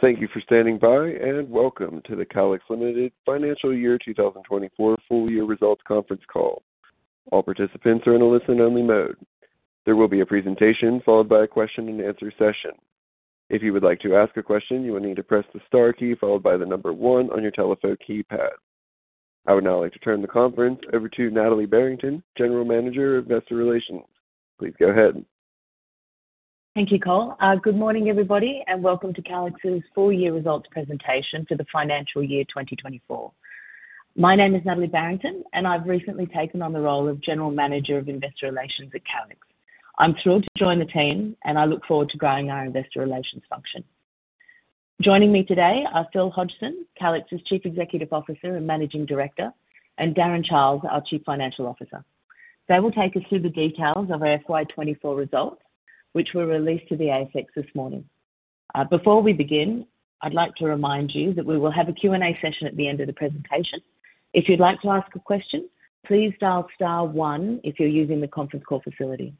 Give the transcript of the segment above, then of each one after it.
Thank you for standing by, and welcome to the Calix Limited Financial Year 2024 Full Year Results Conference Call. All participants are in a listen-only mode. There will be a presentation followed by a question-and-answer session. If you would like to ask a question, you will need to press the star key followed by the number one on your telephone keypad. I would now like to turn the conference over to Natalie Barrington, General Manager of Investor Relations. Please go ahead. Thank you, Cole. Good morning, everybody, and welcome to Calix's full-year results presentation for the financial year 2024. My name is Natalie Barrington, and I've recently taken on the role of General Manager of Investor Relations at Calix. I'm thrilled to join the team, and I look forward to growing our investor relations function. Joining me today are Phil Hodgson, Calix's Chief Executive Officer and Managing Director, and Darren Charles, our Chief Financial Officer. They will take us through the details of our FY 24 results, which were released to the ASX this morning. Before we begin, I'd like to remind you that we will have a Q&A session at the end of the presentation. If you'd like to ask a question, please dial star one if you're using the conference call facility.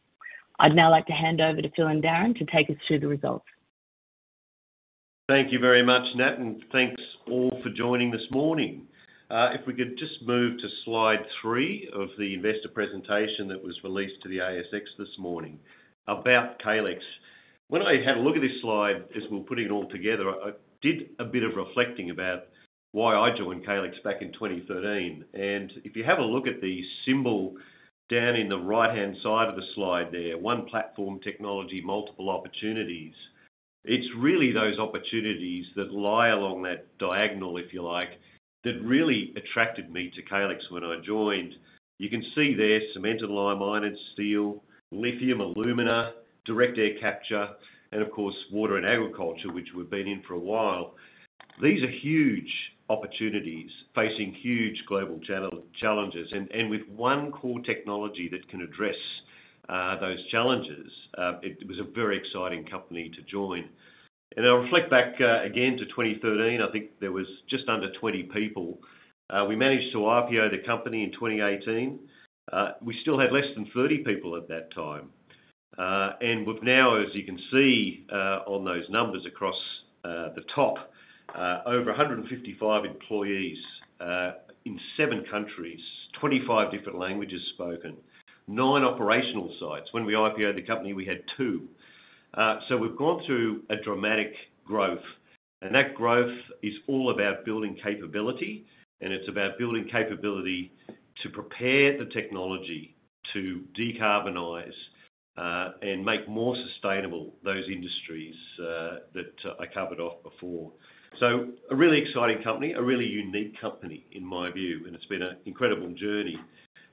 I'd now like to hand over to Phil and Darren to take us through the results. Thank you very much, Nat, and thanks all for joining this morning. If we could just move to slide three of the investor presentation that was released to the ASX this morning. About Calix. When I had a look at this slide as we were putting it all together, I did a bit of reflecting about why I joined Calix back in 2013. And if you have a look at the symbol down in the right-hand side of the slide there, one platform, technology, multiple opportunities. It's really those opportunities that lie along that diagonal, if you like, that really attracted me to Calix when I joined. You can see there, cement and lime, iron and steel, lithium, alumina, direct air capture, and of course, water and agriculture, which we've been in for a while. These are huge opportunities facing huge global challenges, and with one core technology that can address those challenges, it was a very exciting company to join, and I'll reflect back again to 2013. I think there was just under 20 people. We managed to IPO the company in 2018. We still had less than 30 people at that time, and we've now, as you can see, on those numbers across the top, over 155 employees in seven countries, 25 different languages spoken, nine operational sites. When we IPO'd the company, we had two. So we've gone through a dramatic growth, and that growth is all about building capability, and it's about building capability to prepare the technology to decarbonize and make more sustainable those industries that I covered off before. A really exciting company, a really unique company, in my view, and it's been an incredible journey,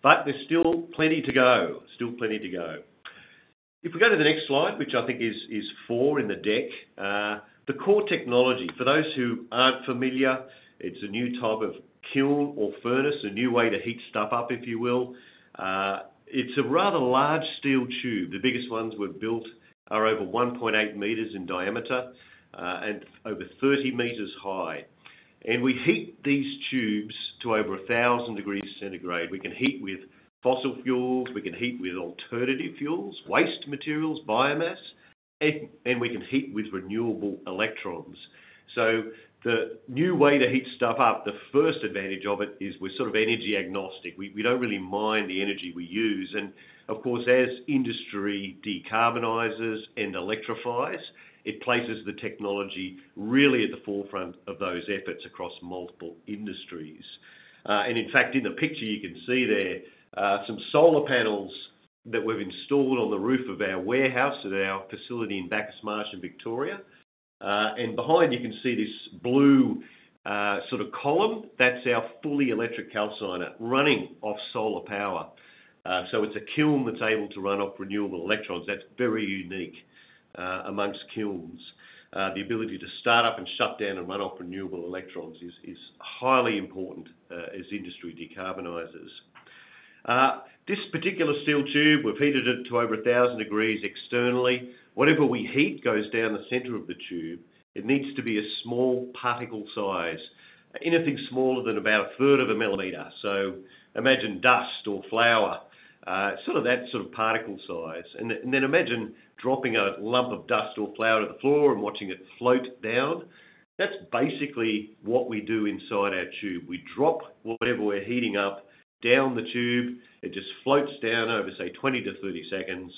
but there's still plenty to go. Still plenty to go. If we go to the next slide, which I think is four in the deck. The core technology. For those who aren't familiar, it's a new type of kiln or furnace, a new way to heat stuff up, if you will. It's a rather large steel tube. The biggest ones we've built are over 1.8 meters in diameter, and over 30 meters high. And we heat these tubes to over 1,000 degrees centigrade. We can heat with fossil fuels, we can heat with alternative fuels, waste materials, biomass, and we can heat with renewable electrons. So the new way to heat stuff up, the first advantage of it is we're sort of energy agnostic. We don't really mind the energy we use, and of course, as industry decarbonizes and electrifies, it places the technology really at the forefront of those efforts across multiple industries, and in fact, in the picture, you can see there, some solar panels that we've installed on the roof of our warehouse at our facility in Bacchus Marsh, in Victoria. And behind, you can see this blue, sort of column. That's our fully electric calciner running off solar power, so it's a kiln that's able to run off renewable electrons. That's very unique, amongst kilns. The ability to start up and shut down and run off renewable electrons is highly important, as industry decarbonizes. This particular steel tube, we've heated it to over a thousand degrees externally. Whatever we heat goes down the center of the tube. It needs to be a small particle size, anything smaller than about a third of a millimeter. So imagine dust or flour, sort of that sort of particle size. And then imagine dropping a lump of dust or flour on the floor and watching it float down. That's basically what we do inside our tube. We drop whatever we're heating up, down the tube. It just floats down over, say, 20-30 seconds,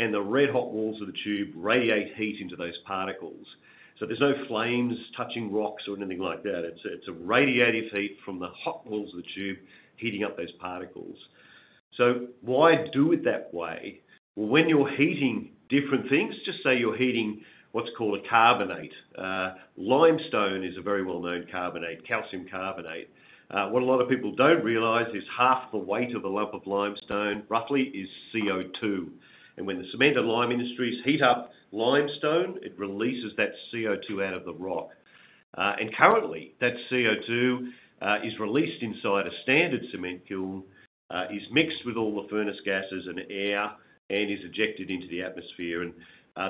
and the red hot walls of the tube radiate heat into those particles. So there's no flames touching rocks or anything like that. It's a radiative heat from the hot walls of the tube heating up those particles. So why do it that way? When you're heating different things, just say you're heating what's called a carbonate. Limestone is a very well-known carbonate, calcium carbonate. What a lot of people don't realize is half the weight of a lump of limestone roughly is CO2. And when the cement and lime industries heat up limestone, it releases that CO2 out of the rock. And currently, that CO2 is released inside a standard cement kiln, is mixed with all the furnace gases and air, and is ejected into the atmosphere. And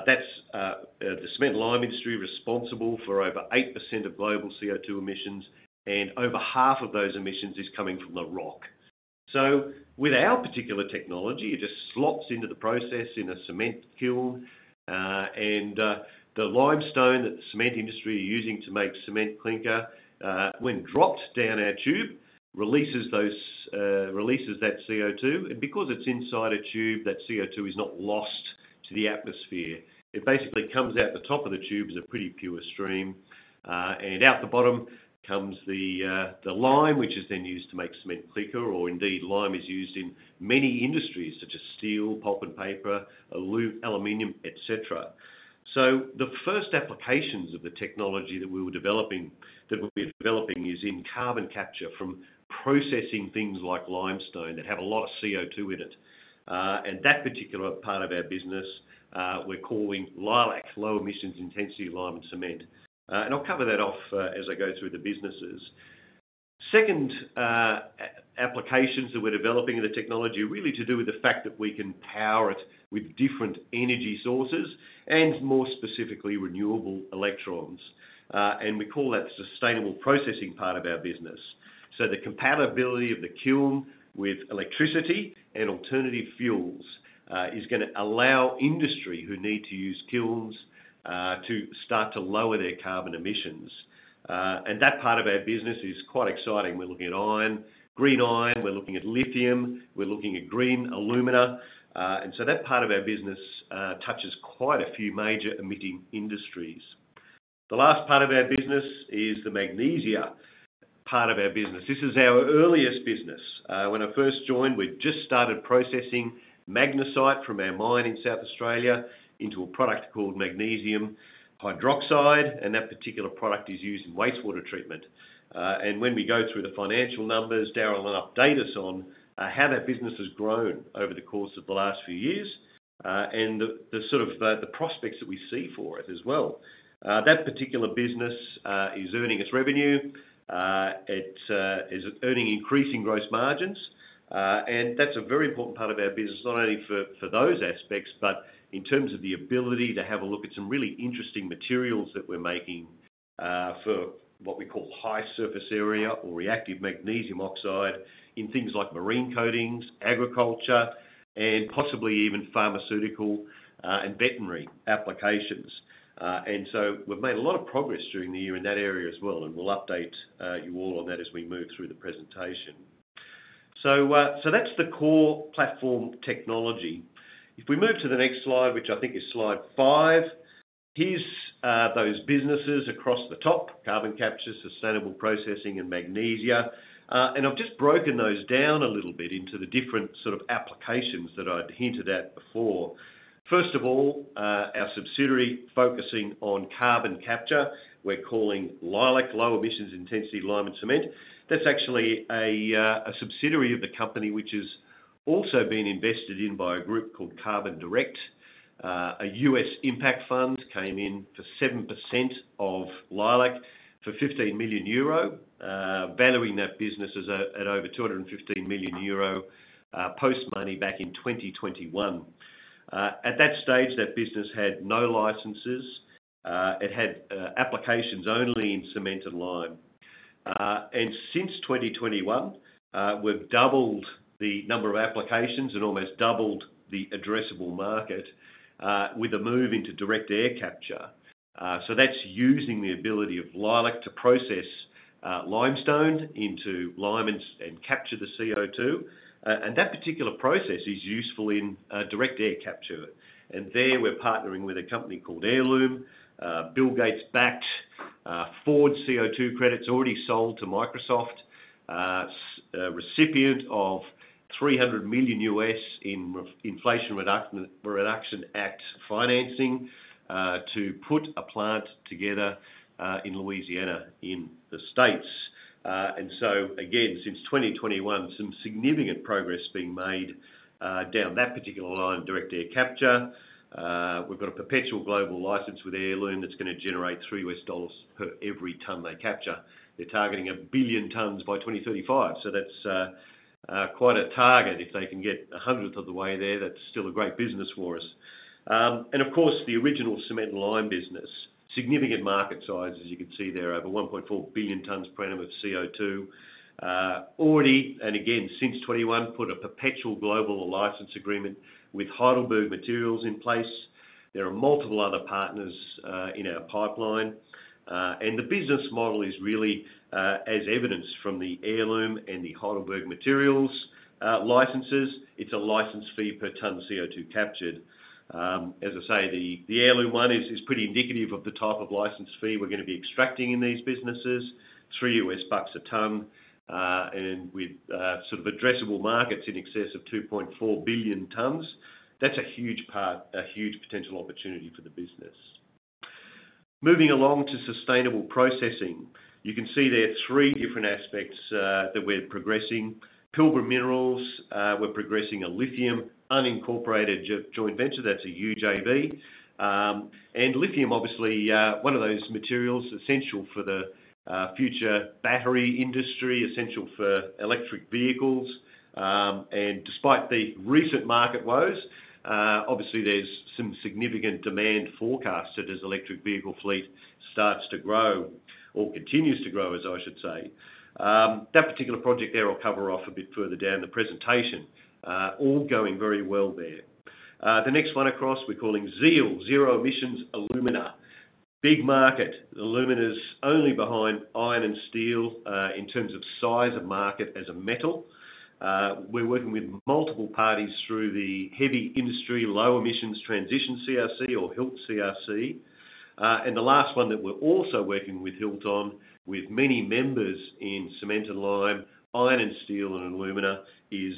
that's the cement and lime industry responsible for over 8% of global CO2 emissions, and over half of those emissions is coming from the rock. So with our particular technology, it just slots into the process in a cement kiln. The limestone that the cement industry are using to make cement clinker, when dropped down our tube, releases that CO2, and because it's inside a tube, that CO2 is not lost to the atmosphere. It basically comes out the top of the tube as a pretty pure stream, and out the bottom comes the lime, which is then used to make cement clinker, or indeed, lime is used in many industries, such as steel, pulp and paper, aluminum, et cetera. So the first applications of the technology that we were developing- that we'll be developing, is in carbon capture from processing things like limestone that have a lot of CO2 in it. And that particular part of our business, we're calling Leilac: Low Emissions Intensity Lime and Cement. And I'll cover that off, as I go through the businesses. Second, applications that we're developing in the technology are really to do with the fact that we can power it with different energy sources and more specifically, renewable electrons. And we call that sustainable processing part of our business. So the compatibility of the kiln with electricity and alternative fuels is gonna allow industry who need to use kilns to start to lower their carbon emissions. And that part of our business is quite exciting. We're looking at iron, green iron, we're looking at lithium, we're looking at green alumina. And so that part of our business touches quite a few major emitting industries. The last part of our business is the magnesia part of our business. This is our earliest business. When I first joined, we'd just started processing magnesite from our mine in South Australia into a product called magnesium hydroxide, and that particular product is used in wastewater treatment, and when we go through the financial numbers, Darren will update us on how that business has grown over the course of the last few years, and the sort of prospects that we see for it as well. That particular business is earning its revenue. It is earning increasing gross margins, and that's a very important part of our business, not only for those aspects, but in terms of the ability to have a look at some really interesting materials that we're making for what we call high surface area or reactive magnesium oxide in things like marine coatings, agriculture, and possibly even pharmaceutical and veterinary applications. And so we've made a lot of progress during the year in that area as well, and we'll update you all on that as we move through the presentation, so that's the core platform technology. If we move to the next slide, which I think is slide five, here's those businesses across the top: carbon capture, sustainable processing, and magnesia. And I've just broken those down a little bit into the different sort of applications that I'd hinted at before. First of all, our subsidiary focusing on carbon capture, we're calling Leilac: Low Emissions Intensity Lime And Cement. That's actually a subsidiary of the company, which has also been invested in by a group called Carbon Direct. A U.S. impact fund came in for 7% of Leilac for 15 million euro, valuing that business at over 215 million euro, post-money back in 2021. At that stage, that business had no licenses. It had applications only in cement and lime. And since 2021, we've doubled the number of applications and almost doubled the addressable market, with a move into direct air capture. So that's using the ability of Leilac to process limestone into lime and capture the CO2. And that particular process is useful in direct air capture. And there, we're partnering with a company called Heirloom, Bill Gates-backed, forward CO2 credits already sold to Microsoft, recipient of $300 million in Inflation Reduction Act financing to put a plant together in Louisiana, in the States. And so again, since 2021, some significant progress is being made down that particular line, direct air capture. We've got a perpetual global license with Heirloom that's gonna generate $3 per every ton they capture. They're targeting a billion tons by 2035, so that's quite a target. If they can get a hundredth of the way there, that's still a great business for us. And of course, the original cement and lime business, significant market size, as you can see there, over 1.4 billion tonnes per annum of CO2. Already, and again, since 2021, put a perpetual global license agreement with Heidelberg Materials in place. There are multiple other partners in our pipeline. And the business model is really, as evidenced from the Heirloom and the Heidelberg Materials licenses, it's a license fee per ton of CO2 captured. As I say, the Heirloom one is pretty indicative of the type of license fee we're gonna be extracting in these businesses, $3 a ton, and with sort of addressable markets in excess of 2.4 billion tonnes. That's a huge potential opportunity for the business. Moving along to sustainable processing. You can see there are three different aspects that we're progressing. Pilbara Minerals, we're progressing a lithium unincorporated joint venture, that's a UJV. And lithium, obviously, one of those materials essential for the future battery industry, essential for electric vehicles. And despite the recent market lows, obviously there's some significant demand forecasted as electric vehicle fleet starts to grow or continues to grow, as I should say. That particular project there, I'll cover off a bit further down the presentation. All going very well there. The next one across, we're calling ZEAL, Zero Emissions Alumina. Big market. Alumina's only behind iron and steel in terms of size of market as a metal. We're working with multiple parties through the Heavy Industry Low Emissions Transition CRC or HILT CRC. And the last one that we're also working with HILT on, with many members in cement and lime, iron and steel, and alumina, is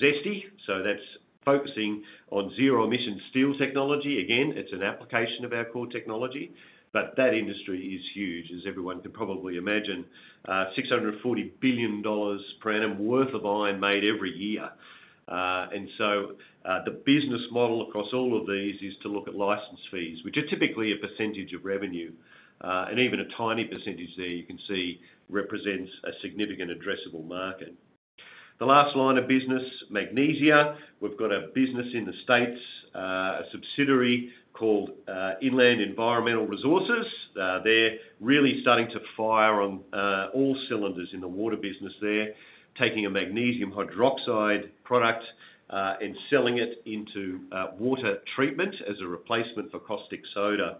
ZESTY. So that's focusing on zero emission steel technology. Again, it's an application of our core technology, but that industry is huge, as everyone can probably imagine. $640 billion per annum worth of iron made every year. And so, the business model across all of these is to look at license fees, which are typically a percentage of revenue. And even a tiny percentage there, you can see represents a significant addressable market. The last line of business, magnesia. We've got a business in the States, a subsidiary called Inland Environmental Resources. They're really starting to fire on all cylinders in the water business there. Taking a magnesium hydroxide product and selling it into water treatment as a replacement for caustic soda.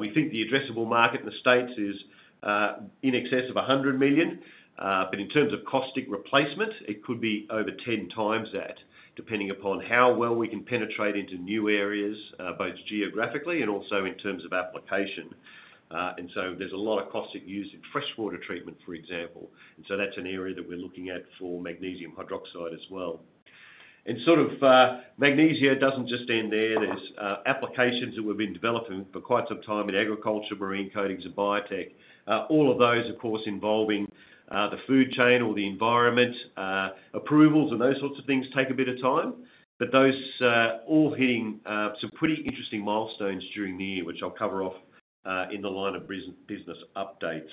We think the addressable market in the States is in excess of $100 million. But in terms of caustic replacement, it could be over 10 times that, depending upon how well we can penetrate into new areas, both geographically and also in terms of application. There's a lot of caustic used in freshwater treatment, for example, and so that's an area that we're looking at for magnesium hydroxide as well. Sort of, magnesia doesn't just end there. There's applications that we've been developing for quite some time in agriculture, marine coatings and biotech. All of those, of course, involving the food chain or the environment. Approvals and those sorts of things take a bit of time, but those all hitting some pretty interesting milestones during the year, which I'll cover off in the line of business updates.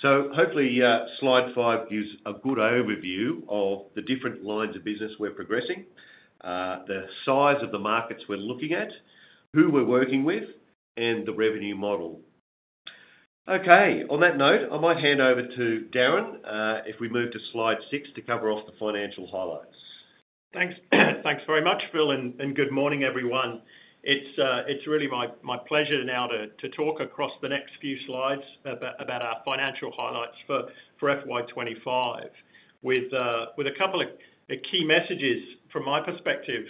So hopefully slide five gives a good overview of the different lines of business we're progressing, the size of the markets we're looking at, who we're working with, and the revenue model. Okay. On that note, I might hand over to Darren if we move to slide six to cover off the financial highlights. Thanks. Thanks very much, Phil, and good morning, everyone. It's really my pleasure now to talk across the next few slides about our financial highlights for FY 2025. With a couple of key messages from my perspective: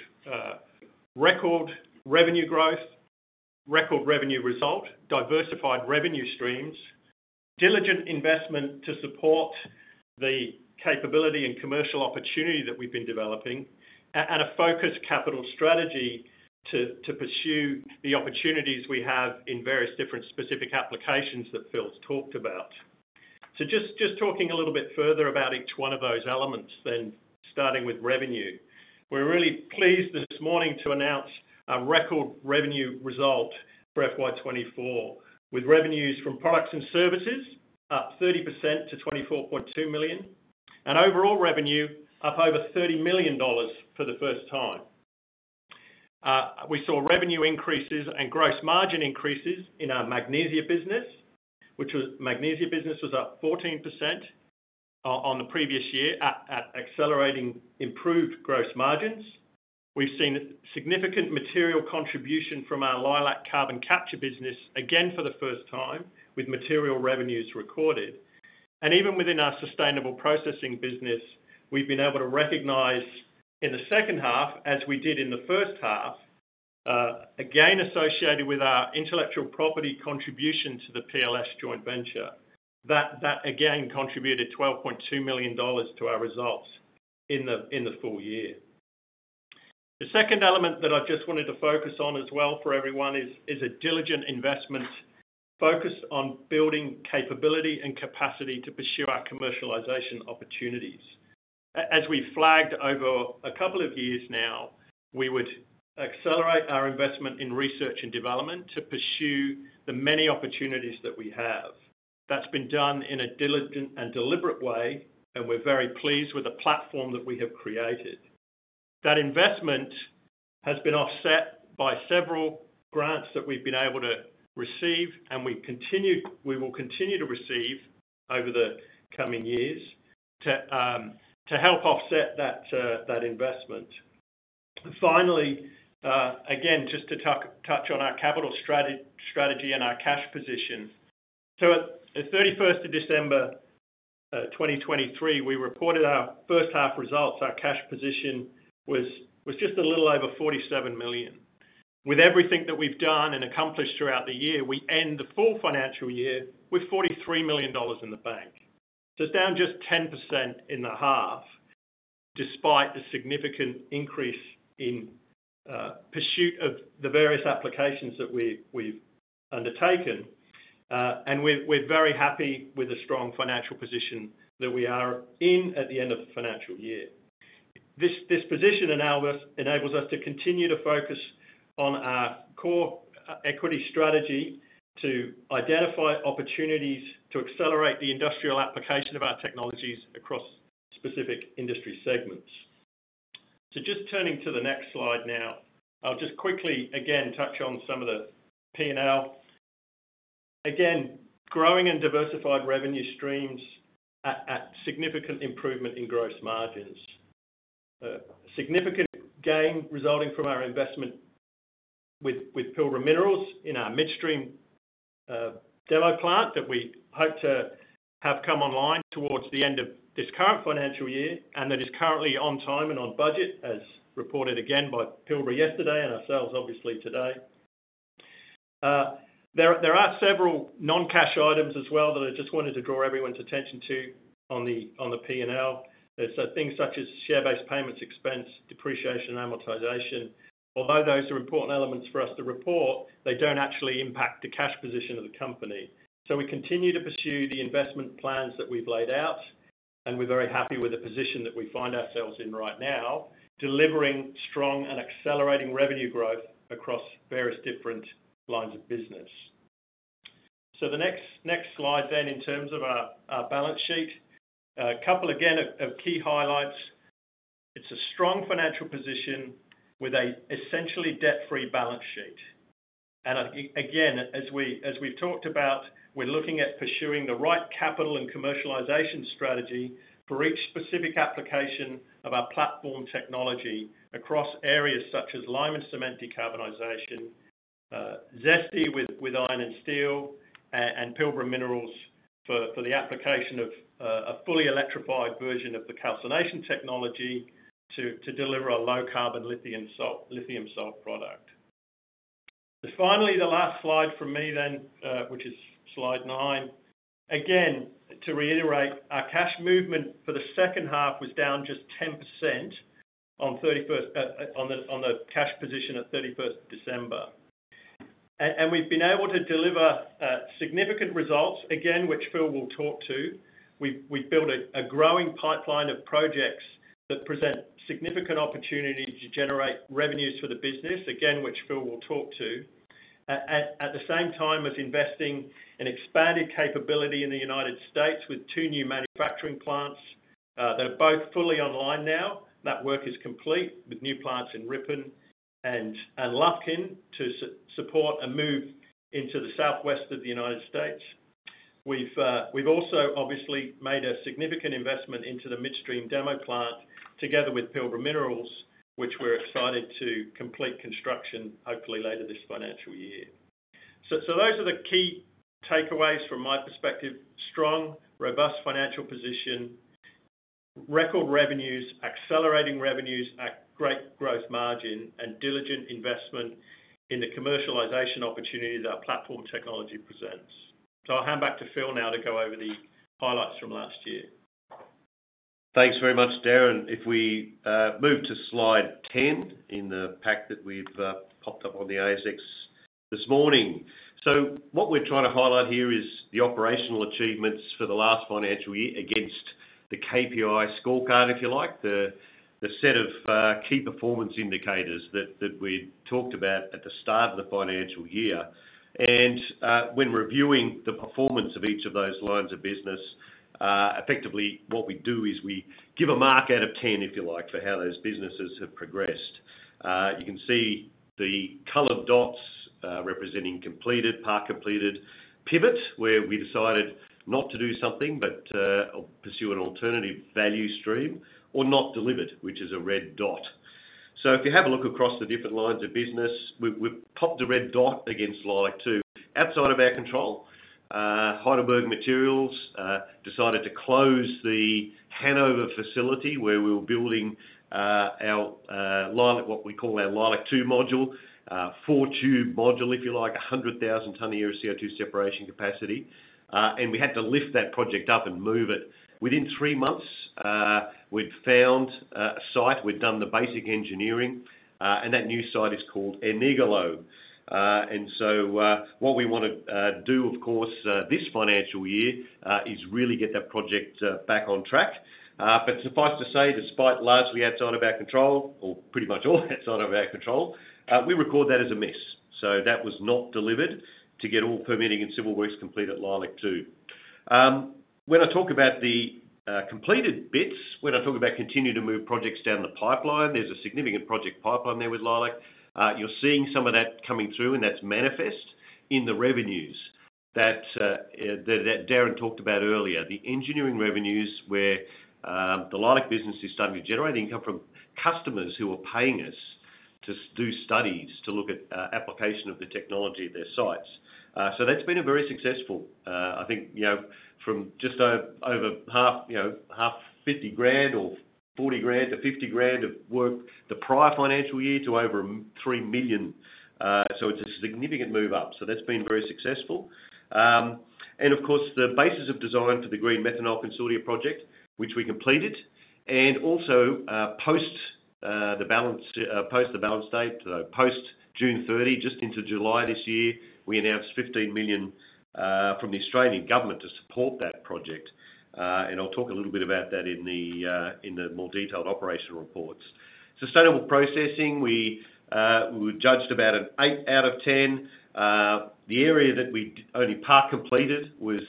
record revenue growth, record revenue result, diversified revenue streams, diligent investment to support the capability and commercial opportunity that we've been developing, and a focused capital strategy to pursue the opportunities we have in various different specific applications that Phil's talked about. So just talking a little bit further about each one of those elements, then starting with revenue. We're really pleased this morning to announce a record revenue result for FY 2024, with revenues from products and services up 30% to 24.2 million, and overall revenue up over 30 million dollars for the first time. We saw revenue increases and gross margin increases in our magnesia business, which was up 14% on the previous year at accelerating improved gross margins. We've seen significant material contribution from our Leilac carbon capture business, again, for the first time, with material revenues recorded. And even within our sustainable processing business, we've been able to recognize in the second half, as we did in the first half, again, associated with our intellectual property contribution to the PLS joint venture, that again contributed 12.2 million dollars to our results in the full year. The second element that I just wanted to focus on as well for everyone is a diligent investment focused on building capability and capacity to pursue our commercialization opportunities. As we flagged over a couple of years now, we would accelerate our investment in research and development to pursue the many opportunities that we have. That's been done in a diligent and deliberate way, and we're very pleased with the platform that we have created. That investment has been offset by several grants that we've been able to receive, and we will continue to receive over the coming years, to help offset that investment. Finally, again, just to touch on our capital strategy and our cash position. At the thirty-first of December, 2023, we reported our first half results. Our cash position was just a little over 47 million. With everything that we've done and accomplished throughout the year, we end the full financial year with 43 million dollars in the bank. So it's down just 10% in the half, despite the significant increase in pursuit of the various applications that we've undertaken. And we're very happy with the strong financial position that we are in at the end of the financial year. This position enables us to continue to focus on our core equity strategy to identify opportunities to accelerate the industrial application of our technologies across specific industry segments. So just turning to the next slide now. I'll just quickly again touch on some of the P&L. Again, growing and diversified revenue streams at significant improvement in gross margins. significant gain resulting from our investment with Pilbara Minerals in our midstream demo plant that we hope to have come online towards the end of this current financial year, and that is currently on time and on budget, as reported again by Pilbara yesterday and ourselves, obviously today. There are several non-cash items as well that I just wanted to draw everyone's attention to on the P&L. So things such as share-based payments, expense, depreciation, and amortization. Although those are important elements for us to report, they don't actually impact the cash position of the company. So we continue to pursue the investment plans that we've laid out, and we're very happy with the position that we find ourselves in right now, delivering strong and accelerating revenue growth across various different lines of business. The next slide then, in terms of our balance sheet. A couple again of key highlights. It's a strong financial position with essentially debt-free balance sheet. And again, as we've talked about, we're looking at pursuing the right capital and commercialization strategy for each specific application of our platform technology across areas such as lime and cement decarbonization, ZESTY with iron and steel, and Pilbara Minerals for the application of a fully electrified version of the calcination technology to deliver a low-carbon lithium salt product. Finally, the last slide from me then, which is slide nine. Again, to reiterate, our cash movement for the second half was down just 10% on the cash position at 31st December. We've been able to deliver significant results, again, which Phil will talk to. We've built a growing pipeline of projects that present significant opportunity to generate revenues for the business, again, which Phil will talk to. At the same time as investing in expanded capability in the United States with two new manufacturing plants that are both fully online now. That work is complete, with new plants in Ripon and Lufkin to support a move into the southwest of the United States. We've also obviously made a significant investment into the midstream demo plant, together with Pilbara Minerals, which we're excited to complete construction hopefully later this financial year. So, those are the key takeaways from my perspective: strong, robust financial position, record revenues, accelerating revenues at great growth margin, and diligent investment in the commercialization opportunities that our platform technology presents. So I'll hand back to Phil now to go over the highlights from last year. Thanks very much, Darren. If we move to slide 10 in the pack that we've popped up on the ASX this morning. So what we're trying to highlight here is the operational achievements for the last financial year against the KPI scorecard, if you like. The set of key performance indicators that we talked about at the start of the financial year, and when reviewing the performance of each of those lines of business, effectively what we do is we give a mark out of 10, if you like, for how those businesses have progressed. You can see the colored dots representing completed, part completed pivot, where we decided not to do something but pursue an alternative value stream or not delivered, which is a red dot. So if you have a look across the different lines of business, we've popped a red dot against Leilac-2, outside of our control. Heidelberg Materials decided to close the Hannover facility, where we were building our Leilac-2 module. Four-tube module, if you like, 100,000 tonnes a year of CO2 separation capacity. And we had to lift that project up and move it. Within three months, we'd found a site. We'd done the basic engineering, and that new site is called Ennigerloh. And so, what we wanna do, of course, this financial year, is really get that project back on track. But suffice to say, despite largely outside of our control, or pretty much all outside of our control, we record that as a miss. That was not delivered to get all permitting and civil works complete at Leilac-2. When I talk about the completed bits, when I talk about continue to move projects down the pipeline, there's a significant project pipeline there with Leilac. You're seeing some of that coming through, and that's manifest in the revenues that Darren talked about earlier. The engineering revenues where the Leilac business is starting to generate income from customers who are paying us to do studies to look at application of the technology at their sites. That's been a very successful. I think, you know, from just over half, you know, half fifty grand or forty grand to fifty grand of work the prior financial year to over three million. It's a significant move up. So that's been very successful. And of course, the basis of design for the Green Methanol Consortia Project, which we completed, and also, post the balance date, post June 30th, just into July this year, we announced 15 million from the Australian government to support that project. And I'll talk a little bit about that in the more detailed operational reports. Sustainable processing, we were judged about an eight out of 10. The area that we only part completed was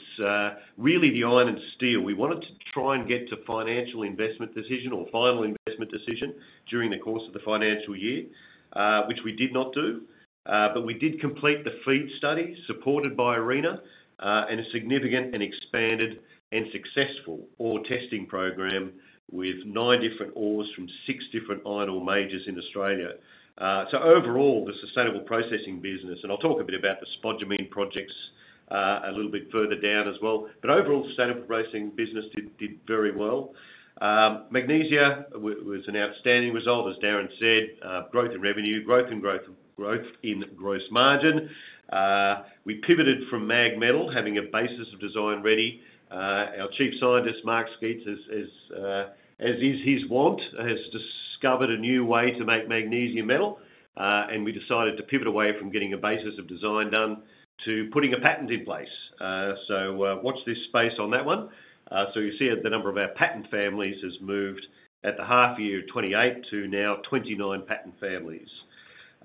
really the iron and steel. We wanted to try and get to final investment decision or final investment decision during the course of the financial year, which we did not do. But we did complete the FEED study supported by ARENA, and a significant and expanded and successful ore testing program with nine different ores from six different iron ore majors in Australia. So overall, the sustainable processing business, and I'll talk a bit about the spodumene projects, a little bit further down as well. But overall, sustainable processing business did very well. Magnesia was an outstanding result, as Darren said, growth in revenue, growth in gross margin. We pivoted from mag metal, having a basis of design ready. Our Chief Scientist, Mark Sceats, as is his wont, has discovered a new way to make magnesium metal, and we decided to pivot away from getting a basis of design done to putting a patent in place. So, watch this space on that one. So you see the number of our patent families has moved at the half year, 28, to now 29 patent families.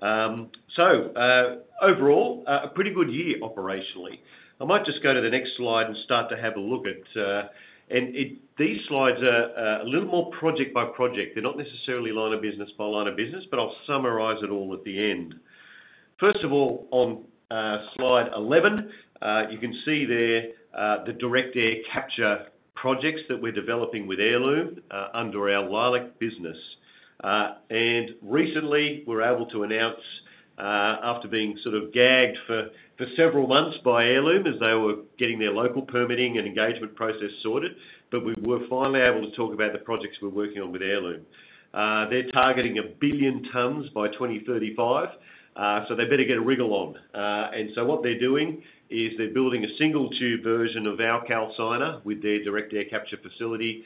So, overall, a pretty good year operationally. I might just go to the next slide and start to have a look at. And these slides are a little more project by project. They're not necessarily line of business by line of business, but I'll summarize it all at the end. First of all, on slide 11, you can see there the direct air capture projects that we're developing with Heirloom, under our Leilac business. and recently, we're able to announce, after being sort of gagged for several months by Heirloom as they were getting their local permitting and engagement process sorted, but we were finally able to talk about the projects we're working on with Heirloom. They're targeting a billion tons by 2035, so they better get a wriggle on. And so what they're doing is they're building a single tube version of our calciner with their direct air capture facility,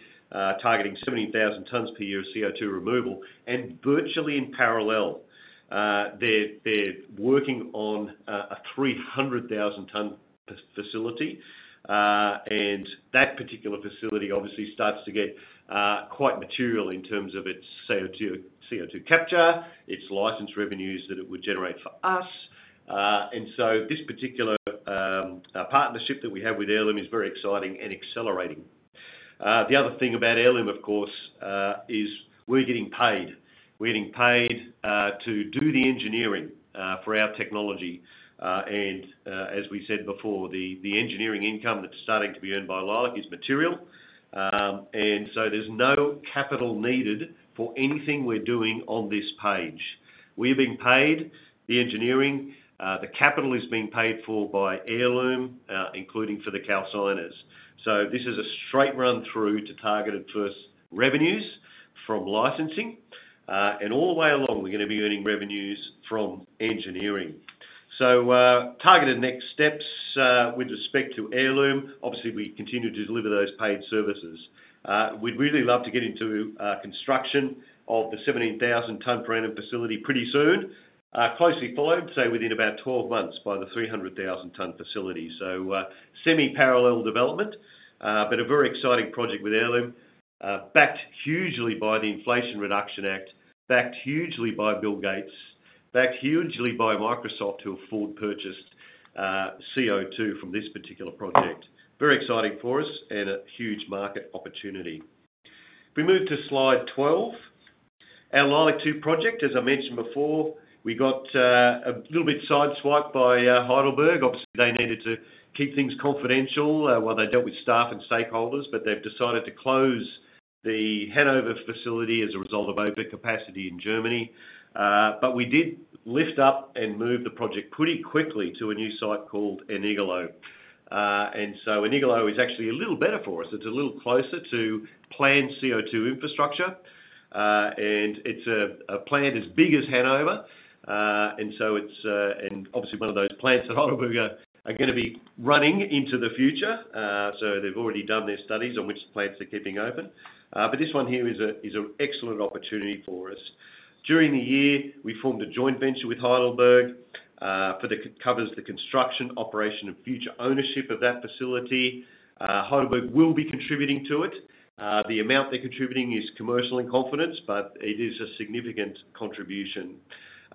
targeting seventy thousand tons per year of CO2 removal. And virtually in parallel, they're working on a three hundred thousand ton facility. And that particular facility, obviously, starts to get quite material in terms of its CO2 capture, its license revenues that it would generate for us. And so this particular partnership that we have with Heirloom is very exciting and accelerating. The other thing about Heirloom, of course, is we're getting paid. We're getting paid to do the engineering for our technology. And as we said before, the engineering income that's starting to be earned by Leilac is material. And so there's no capital needed for anything we're doing on this page. We're being paid the engineering. The capital is being paid for by Heirloom, including for the calciners. So this is a straight run-through to targeted first revenues from licensing. And all the way along, we're gonna be earning revenues from engineering. So targeted next steps with respect to Heirloom, obviously, we continue to deliver those paid services. We'd really love to get into construction of the 17,000-tonne per annum facility pretty soon. Closely followed, say, within about 12 months by the 300,000-tonne facility. So, semi-parallel development, but a very exciting project with Heirloom, backed hugely by the Inflation Reduction Act, backed hugely by Bill Gates, backed hugely by Microsoft, who have forward purchased CO2 from this particular project. Very exciting for us and a huge market opportunity. If we move to slide 12. Our Leilac-2 project, as I mentioned before, we got a little bit sideswiped by Heidelberg. Obviously, they needed to keep things confidential while they dealt with staff and stakeholders, but they've decided to close the Hannover facility as a result of overcapacity in Germany. But we did lift up and move the project pretty quickly to a new site called Ennigerloh. And so Ennigerloh is actually a little better for us. It's a little closer to planned CO2 infrastructure, and it's a plant as big as Hannover. And obviously, one of those plants that Heidelberg are gonna be running into the future, so they've already done their studies on which plants they're keeping open. But this one here is an excellent opportunity for us. During the year, we formed a joint venture with Heidelberg, which covers the construction, operation, and future ownership of that facility. Heidelberg will be contributing to it. The amount they're contributing is commercial in confidence, but it is a significant contribution.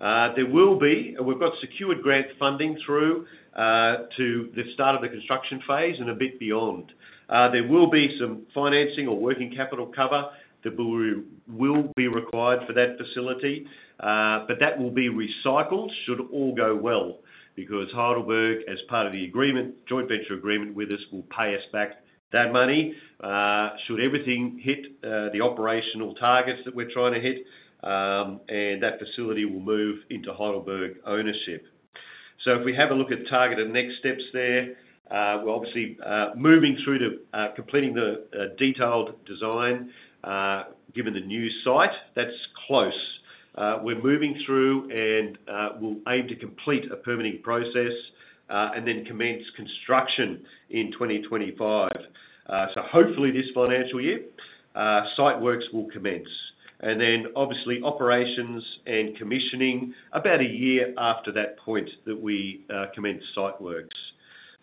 There will be, and we've got secured grant funding through to the start of the construction phase and a bit beyond. There will be some financing or working capital cover that will be required for that facility, but that will be recycled, should all go well, because Heidelberg, as part of the agreement, joint venture agreement with us, will pay us back that money, should everything hit the operational targets that we're trying to hit, and that facility will move into Heidelberg ownership. So if we have a look at targeted next steps there, we're obviously moving through to completing the detailed design, given the new site that's close. We're moving through and we'll aim to complete a permitting process, and then commence construction in 2025. So hopefully this financial year, site works will commence. And then, obviously, operations and commissioning about a year after that point that we commence site works.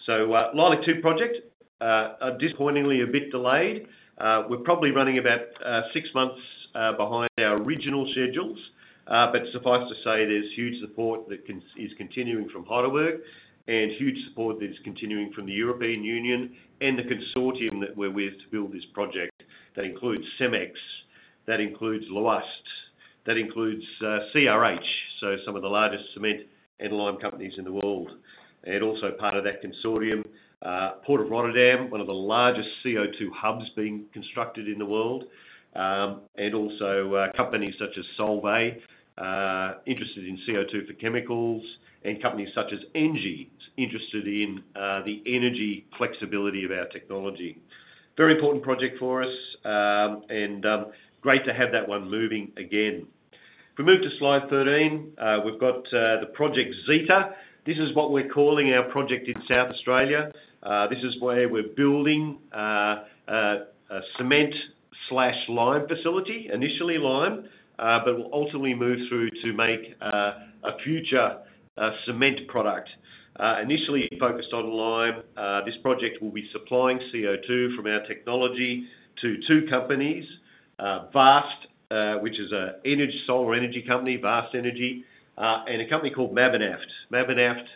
So, Leilac-2 project are disappointingly a bit delayed. We're probably running about six months behind our original schedules. But suffice to say, there's huge support that is continuing from Heidelberg, and huge support that is continuing from the European Union and the consortium that we're with to build this project. That includes Cemex, that includes Lafarge, that includes CRH, so some of the largest cement and lime companies in the world. And also part of that consortium, Port of Rotterdam, one of the largest CO2 hubs being constructed in the world. And also, companies such as Solvay interested in CO2 for chemicals, and companies such as ENGIE interested in the energy flexibility of our technology. Very important project for us, and great to have that one moving again. If we move to slide 13, we've got the Project ZETA. This is what we're calling our project in South Australia. This is where we're building a cement/lime facility, initially lime, but we'll ultimately move through to make a future cement product. Initially focused on lime, this project will be supplying CO2 from our technology to two companies: Vast, which is a solar energy company, Vast Energy, and a company called Mabanaft. Mabanaft,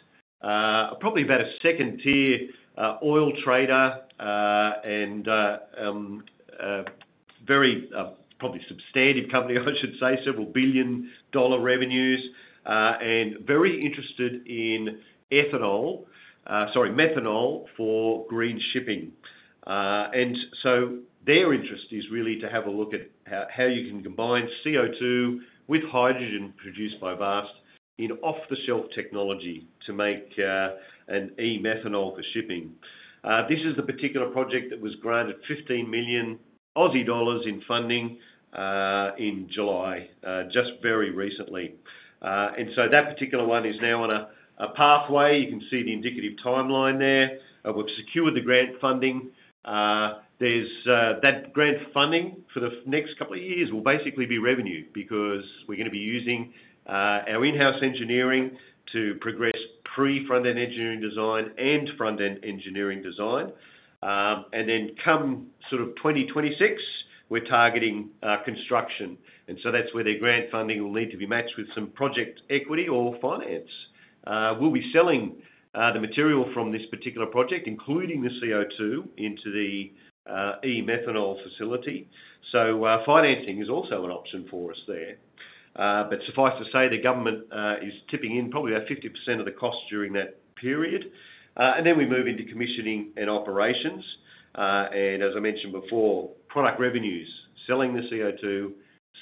probably about a second-tier oil trader, and very probably substantive company, I should say, several billion dollar revenues, and very interested in ethanol- sorry, methanol for green shipping. And so their interest is really to have a look at how you can combine CO2 with hydrogen produced by Vast in off-the-shelf technology to make an e-methanol for shipping. This is the particular project that was granted 15 million Aussie dollars in funding in July just very recently. And so that particular one is now on a pathway. You can see the indicative timeline there. We've secured the grant funding. There's that grant funding for the next couple of years will basically be revenue, because we're gonna be using our in-house engineering to progress pre-front-end engineering design and front-end engineering design. And then come sort of 2026, we're targeting construction. And so that's where the grant funding will need to be matched with some project equity or finance. We'll be selling the material from this particular project, including the CO2, into the e-methanol facility. So, financing is also an option for us there. But suffice to say, the government is tipping in probably about 50% of the cost during that period. And then we move into commissioning and operations. And as I mentioned before, product revenues, selling the CO2,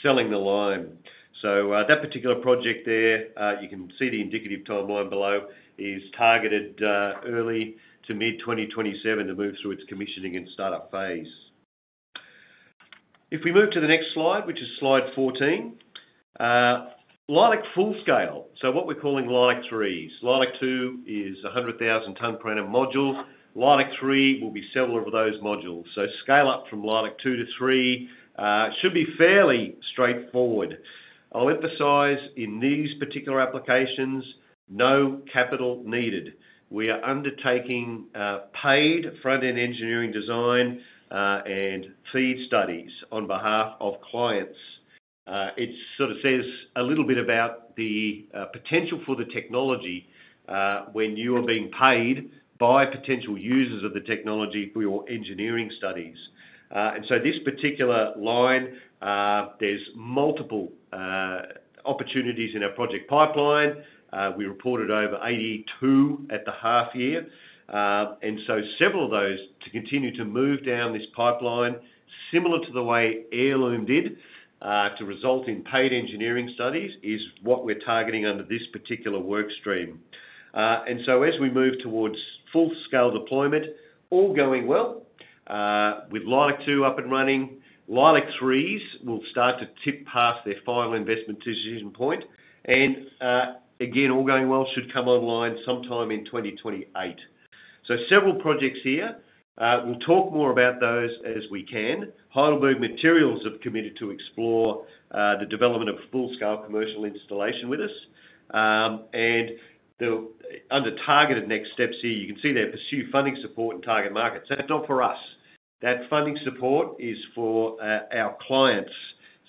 selling the lime. So, that particular project there, you can see the indicative timeline below, is targeted early to mid-2027 to move through its commissioning and startup phase. If we move to the next slide, which is slide 14. Leilac full scale, so what we're calling Leilac-3. Leilac-2 is 100,000 ton per annum module. Leilac-3 will be several of those modules, so scale up from Leilac-2 to Leilac-3 should be fairly straightforward. I'll emphasize, in these particular applications, no capital needed. We are undertaking paid front-end engineering design and FEED studies on behalf of clients. It sort of says a little bit about the potential for the technology, when you are being paid by potential users of the technology for your engineering studies, and so this particular line, there's multiple opportunities in our project pipeline. We reported over 82 at the half year. And so several of those to continue to move down this pipeline, similar to the way Heirloom did, to result in paid engineering studies, is what we're targeting under this particular work stream. And so as we move towards full-scale deployment, all going well, with Leilac-2 up and running, Leilac-3s will start to tip past their final investment decision point. And, again, all going well, should come online sometime in 2028, so several projects here. We'll talk more about those as we can. Heidelberg Materials have committed to explore the development of a full-scale commercial installation with us. And under targeted next steps here, you can see they pursue funding support and target markets. That's not for us. That funding support is for our clients.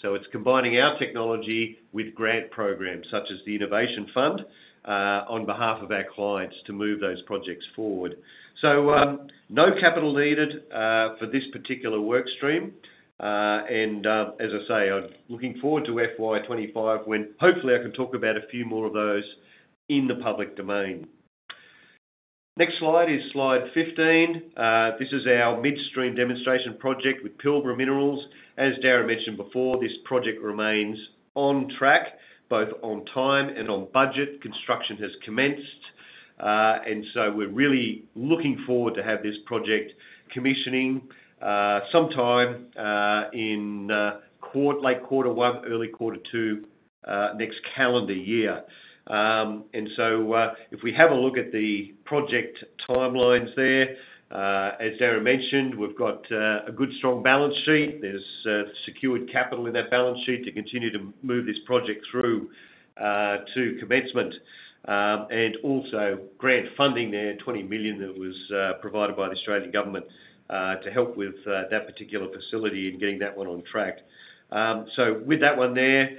So it's combining our technology with grant programs, such as the Innovation Fund, on behalf of our clients to move those projects forward. So, no capital needed for this particular work stream. And, as I say, I'm looking forward to FY 2025, when hopefully I can talk about a few more of those in the public domain. Next slide is slide 15. This is our midstream demonstration project with Pilbara Minerals. As Darren mentioned before, this project remains on track, both on time and on budget. Construction has commenced, and so we're really looking forward to have this project commissioning sometime in late Quarter One, early Quarter Two, next calendar year. And so, if we have a look at the project timelines there, as Darren mentioned, we've got a good, strong balance sheet. There's secured capital in that balance sheet to continue to move this project through to commencement. And also grant funding there, 20 million, that was provided by the Australian government to help with that particular facility and getting that one on track. So with that one there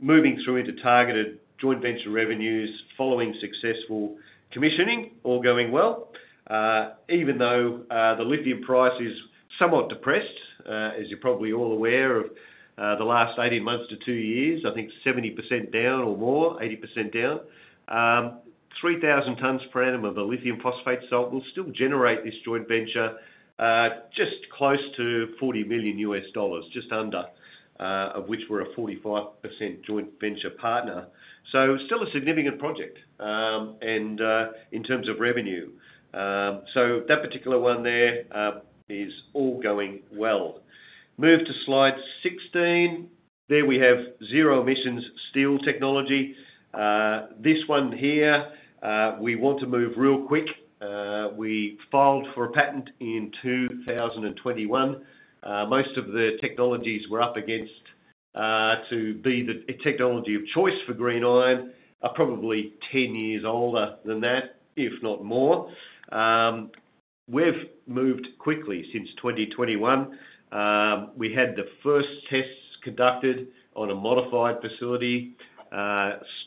moving through into targeted joint venture revenues following successful commissioning, all going well. Even though the lithium price is somewhat depressed, as you're probably all aware of, the last 18 months to two years, I think 70% down or more, 80% down. 3,000 tons per annum of the lithium phosphate salt will still generate this joint venture just close to $40 million, just under, of which we're a 45% joint venture partner. So still a significant project, and in terms of revenue. So that particular one there is all going well. Move to slide 16. There we have zero emissions steel technology. This one here, we want to move real quick. We filed for a patent in 2021. Most of the technologies we're up against to be the technology of choice for green iron are probably 10 years older than that, if not more. We've moved quickly since 2021. We had the first tests conducted on a modified facility,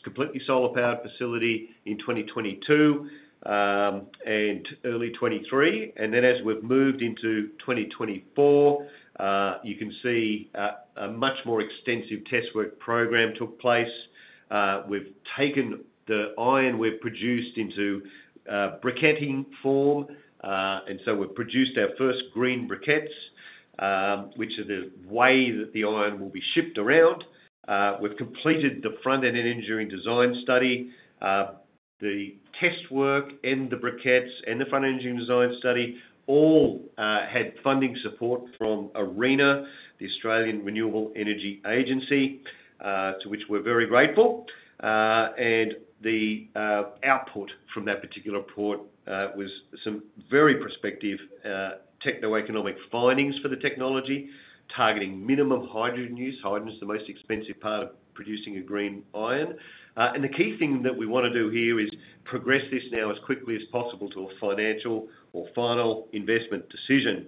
completely solar-powered facility in 2022, and early 2023. And then, as we've moved into 2024, you can see a much more extensive test work program took place. We've taken the iron we've produced into briquetting form. And so we've produced our first green briquettes, which are the way that the iron will be shipped around. We've completed the front-end engineering design study. The test work and the briquettes and the front-end engineering design study all had funding support from ARENA, the Australian Renewable Energy Agency, to which we're very grateful. And the output from that particular report was some very positive techno-economic findings for the technology, targeting minimum hydrogen use. Hydrogen is the most expensive part of producing a green iron. And the key thing that we wanna do here is progress this now as quickly as possible to a final investment decision.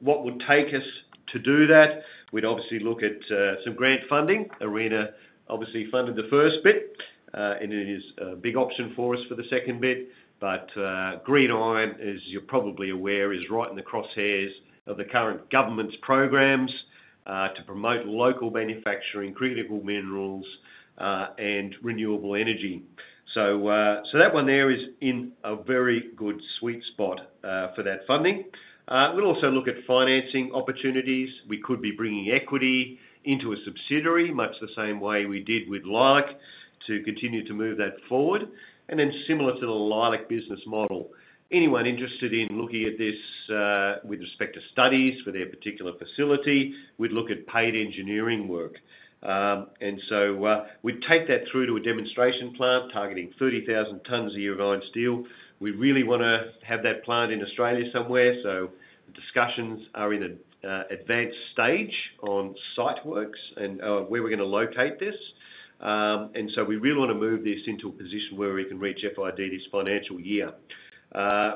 What would it take us to do that? We'd obviously look at some grant funding. ARENA obviously funded the first bit, and it is a big option for us for the second bit. But green iron, as you're probably aware, is right in the crosshairs of the current government's programs to promote local manufacturing, critical minerals, and renewable energy. So so that one there is in a very good sweet spot for that funding. We'll also look at financing opportunities. We could be bringing equity into a subsidiary, much the same way we did with Leilac, to continue to move that forward. And then similar to the Leilac business model, anyone interested in looking at this with respect to studies for their particular facility, we'd look at paid engineering work. And so we'd take that through to a demonstration plant targeting 30,000 tons a year of iron and steel. We really wanna have that plant in Australia somewhere, so discussions are in an advanced stage on site works and where we're gonna locate this, and so we really wanna move this into a position where we can reach FID this financial year.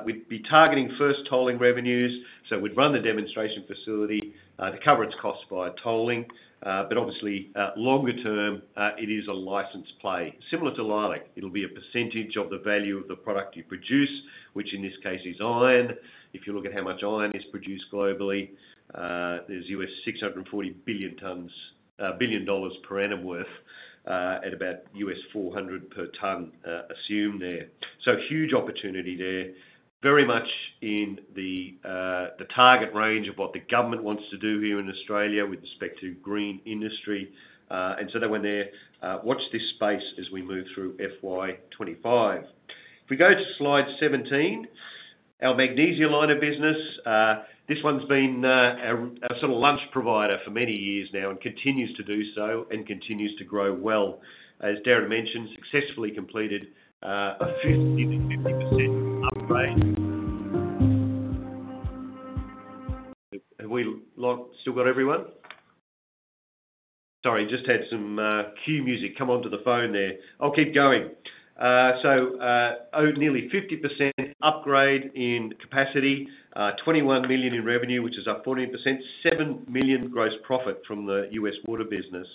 We'd be targeting first tolling revenues, so we'd run the demonstration facility to cover its costs via tolling, but obviously, longer term, it is a licensed play. Similar to Leilac, it'll be a percentage of the value of the product you produce, which in this case is iron. If you look at how much iron is produced globally, there's $640 billion dollars per annum worth, at about $400 per ton, assumed there. Huge opportunity there, very much in the target range of what the government wants to do here in Australia with respect to green industry, and so that one there, watch this space as we move through FY 2025. If we go to slide 17, our magnesite lime business, this one's been our sort of lunch provider for many years now and continues to do so and continues to grow well. As Darren mentioned, successfully completed a 50% upgrade. Have we still got everyone? Sorry, just had some queue music come onto the phone there. I'll keep going. So, nearly 50% upgrade in capacity, 21 million in revenue, which is up 40%, 7 million gross profit from the US water business.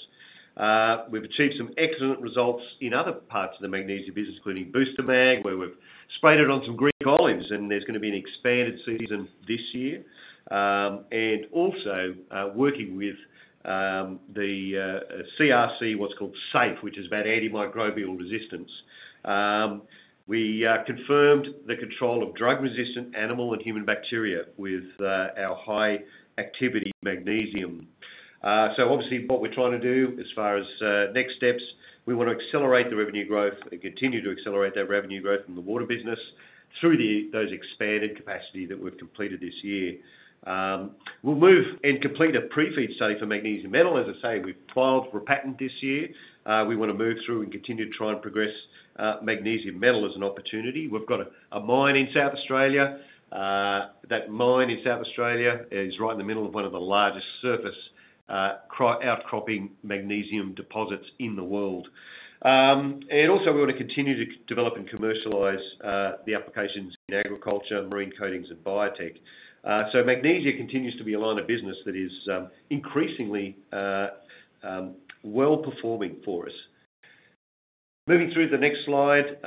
We've achieved some excellent results in other parts of the magnesium business, including Booster-Mag, where we've sprayed it on some Greek olives, and there's gonna be an expanded season this year. And also, working with the CRC, what's called SAAFE, which is about antimicrobial resistance. We confirmed the control of drug-resistant animal and human bacteria with our high-activity magnesium. So obviously what we're trying to do as far as next steps, we wanna accelerate the revenue growth and continue to accelerate that revenue growth in the water business through those expanded capacity that we've completed this year. We'll move and complete a pre-FEED study for magnesium metal. As I say, we've filed for a patent this year. We wanna move through and continue to try and progress magnesium metal as an opportunity. We've got a mine in South Australia. That mine in South Australia is right in the middle of one of the largest surface outcropping magnesium deposits in the world, and also we want to continue to develop and commercialize the applications in agriculture, marine coatings, and biotech. So magnesia continues to be a line of business that is increasingly well-performing for us. Moving through the next slide,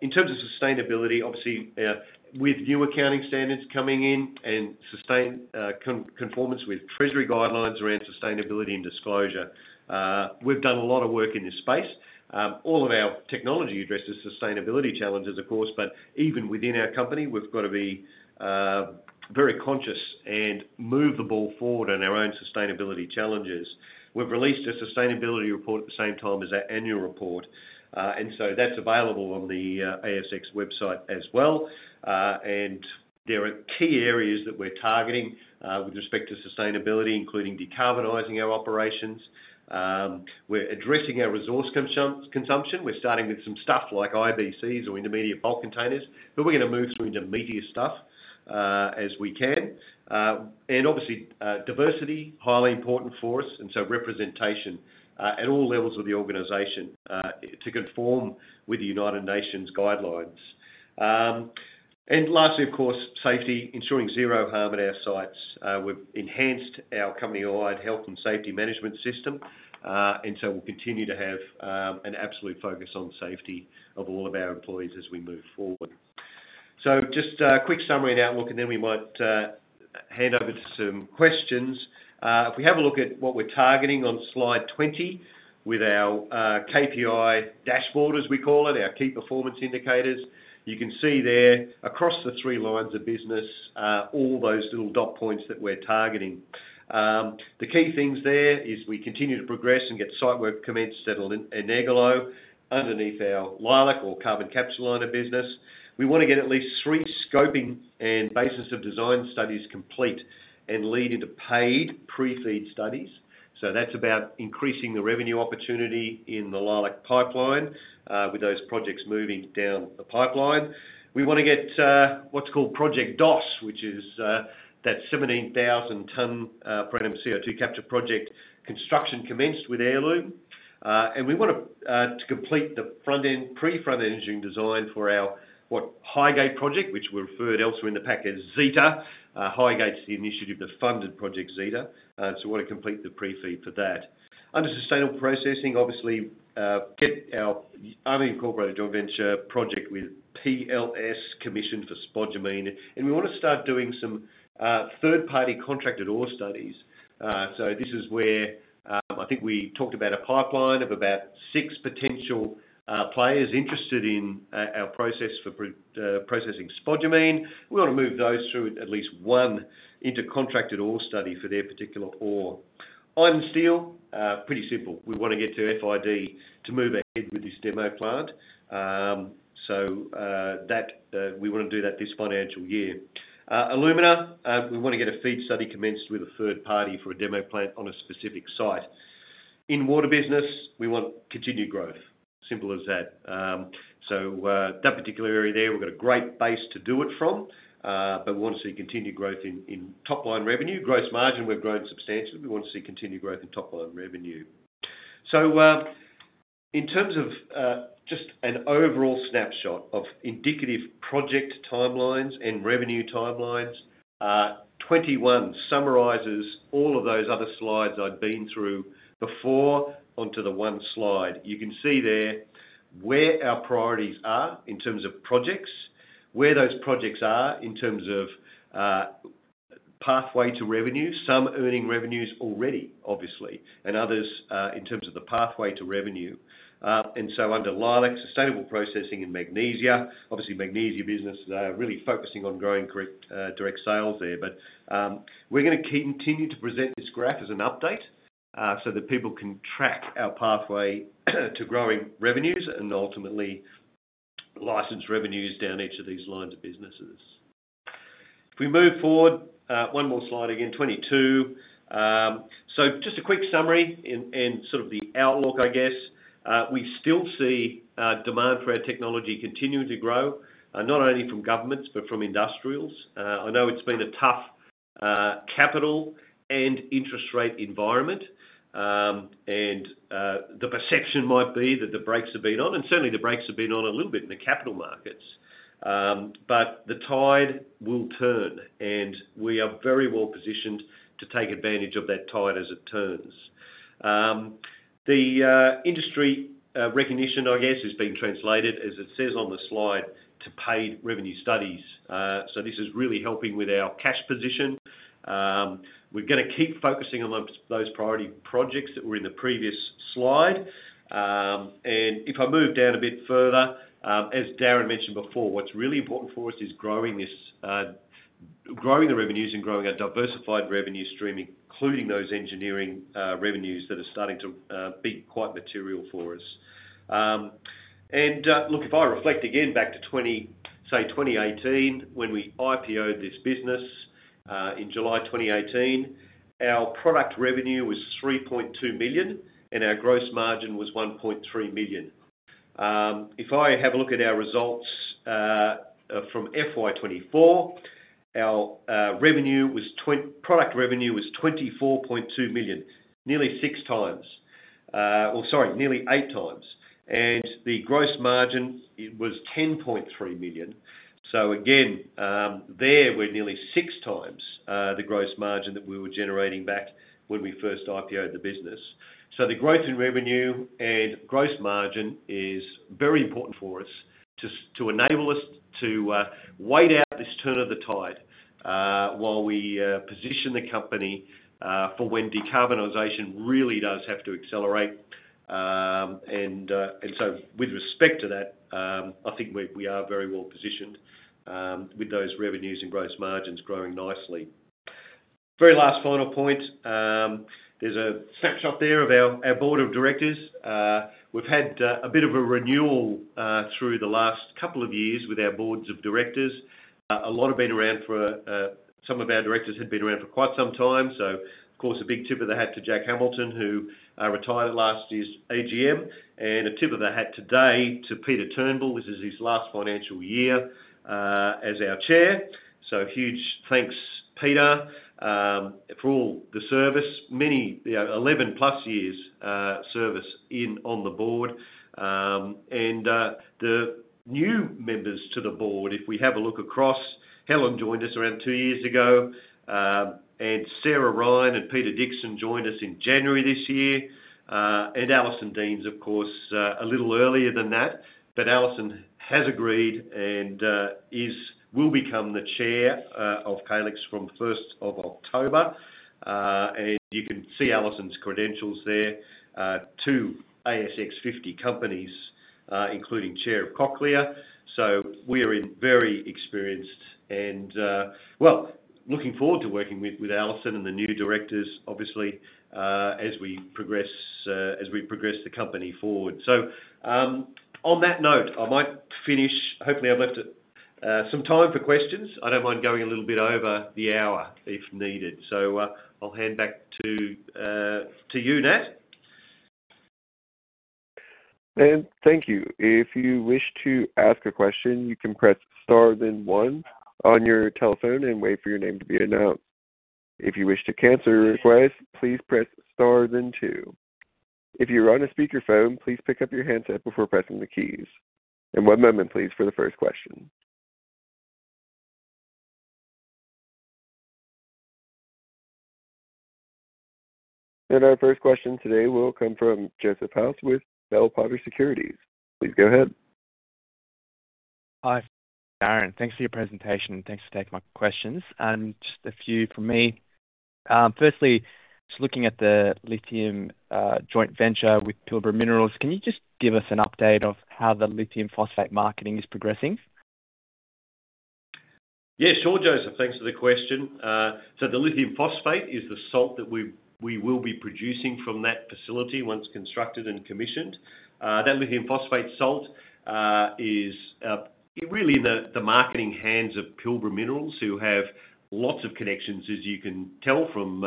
in terms of sustainability, obviously with new accounting standards coming in and conformance with treasury guidelines around sustainability and disclosure, we've done a lot of work in this space. All of our technology addresses sustainability challenges, of course, but even within our company, we've got to be very conscious and move the ball forward on our own sustainability challenges. We've released a sustainability report at the same time as our annual report, and so that's available on the ASX website as well, and there are key areas that we're targeting with respect to sustainability, including decarbonizing our operations. We're addressing our resource consumption. We're starting with some stuff like IBCs or intermediate bulk containers, but we're gonna move through into meatier stuff as we can, and obviously diversity, highly important for us, and so representation at all levels of the organization to conform with the United Nations guidelines, and lastly, of course, safety, ensuring zero harm at our sites. We've enhanced our company-wide health and safety management system, and so we'll continue to have an absolute focus on safety of all of our employees as we move forward. So just a quick summary and outlook, and then we might hand over to some questions. If we have a look at what we're targeting on slide 20, with our KPI dashboard, as we call it, our key performance indicators, you can see there across the three lines of business all those little dot points that we're targeting. The key things there is we continue to progress and get site work commenced at Ennigerloh, underneath our Leilac or carbon capture line of business. We wanna get at least three scoping and basis of design studies complete and lead into paid pre-FEED studies. So that's about increasing the revenue opportunity in the Leilac pipeline, with those projects moving down the pipeline. We wanna get what's called Project DOS, which is that 17,000-tonne per annum CO2 capture project construction commenced with Heirloom, and we wanna to complete the front-end, pre-front-end engineering design for our HyGATE project, which we referred elsewhere in the pack as ZETA. HyGATE's the initiative that funded Project ZETA, so we wanna complete the pre-FEED for that. Under sustainable processing, obviously, get our unincorporated joint venture project with PLS commissioned for spodumene, and we wanna start doing some third-party contracted ore studies. So this is where I think we talked about a pipeline of about six potential players interested in our process for processing spodumene. We wanna move those through at least one inter-contracted ore study for their particular ore. Iron and steel, pretty simple. We wanna get to FID to move ahead with this demo plant. We wanna do that this financial year. Alumina, we wanna get a FEED study commenced with a third party for a demo plant on a specific site. In water business, we want continued growth, simple as that. That particular area there, we've got a great base to do it from, but we want to see continued growth in top-line revenue. Gross margin, we've grown substantially. We want to see continued growth in top-line revenue. So, in terms of just an overall snapshot of indicative project timelines and revenue timelines, 21 summarizes all of those other slides I've been through before onto the one slide. You can see there where our priorities are in terms of projects, where those projects are in terms of pathway to revenue. Some earning revenues already, obviously, and others in terms of the pathway to revenue, and so under Leilac, sustainable processing, and magnesia, obviously magnesia business, really focusing on growing direct sales there. But we're gonna continue to present this graph as an update, so that people can track our pathway to growing revenues and ultimately license revenues down each of these lines of businesses. If we move forward one more slide again, 22. So just a quick summary and sort of the outlook, I guess. We still see demand for our technology continuing to grow, not only from governments, but from industrials. I know it's been a tough capital and interest rate environment, and the perception might be that the brakes have been on, and certainly the brakes have been on a little bit in the capital markets, but the tide will turn, and we are very well-positioned to take advantage of that tide as it turns. The industry recognition, I guess, has been translated, as it says on the slide, to paid revenue studies, so this is really helping with our cash position. We're gonna keep focusing on those priority projects that were in the previous slide, and if I move down a bit further, as Darren mentioned before, what's really important for us is growing this growing the revenues and growing our diversified revenue stream, including those engineering revenues that are starting to be quite material for us. Look, if I reflect again back to 2018, when we IPO-ed this business, in July 2018, our product revenue was 3.2 million, and our gross margin was 1.3 million. If I have a look at our results from FY 2024, our product revenue was 24.2 million, nearly six times, or sorry, nearly eight times, and the gross margin it was 10.3 million. So again, then we're nearly six times the gross margin that we were generating back when we first IPO-ed the business. So the growth in revenue and gross margin is very important for us to enable us to wait out this turn of the tide while we position the company for when decarbonization really does have to accelerate, and so with respect to that, I think we are very well positioned with those revenues and gross margins growing nicely. Very last final point, there's a snapshot there of our board of directors. We've had a bit of a renewal through the last couple of years with our board of directors. Some of our directors have been around for quite some time, so of course, a big tip of the hat to Jack Hamilton, who retired at last year's AGM. A tip of the hat today to Peter Turnbull. This is his last financial year as our chair. So huge thanks, Peter, for all the service. Many, you know, eleven plus years service in on the board. And the new members to the board, if we have a look across, Helen joined us around two years ago, and Sarah Ryan and Peter Dixon joined us in January this year. And Alison Deans, of course, a little earlier than that. But Alison has agreed and is will become the chair of Calix from the first of October. And you can see Alison's credentials there, two ASX fifty companies, including chair of Cochlear. So we are in very experienced and, well, looking forward to working with Alison and the new directors, obviously, as we progress the company forward. So, on that note, I might finish. Hopefully, I've left some time for questions. I don't mind going a little bit over the hour if needed. So, I'll hand back to you, Nat. Thank you. If you wish to ask a question, you can press star then one on your telephone and wait for your name to be announced. If you wish to cancel a request, please press star then two. If you're on a speakerphone, please pick up your handset before pressing the keys. One moment, please, for the first question. Our first question today will come from Joseph House with Bell Potter Securities. Please go ahead. Hi, Darren. Thanks for your presentation, and thanks for taking my questions. And just a few from me. Firstly, just looking at the lithium joint venture with Pilbara Minerals, can you just give us an update of how the lithium phosphate marketing is progressing? Yeah, sure, Joseph. Thanks for the question. So the lithium phosphate is the salt that we will be producing from that facility once constructed and commissioned. That lithium phosphate salt is really in the marketing hands of Pilbara Minerals, who have lots of connections, as you can tell from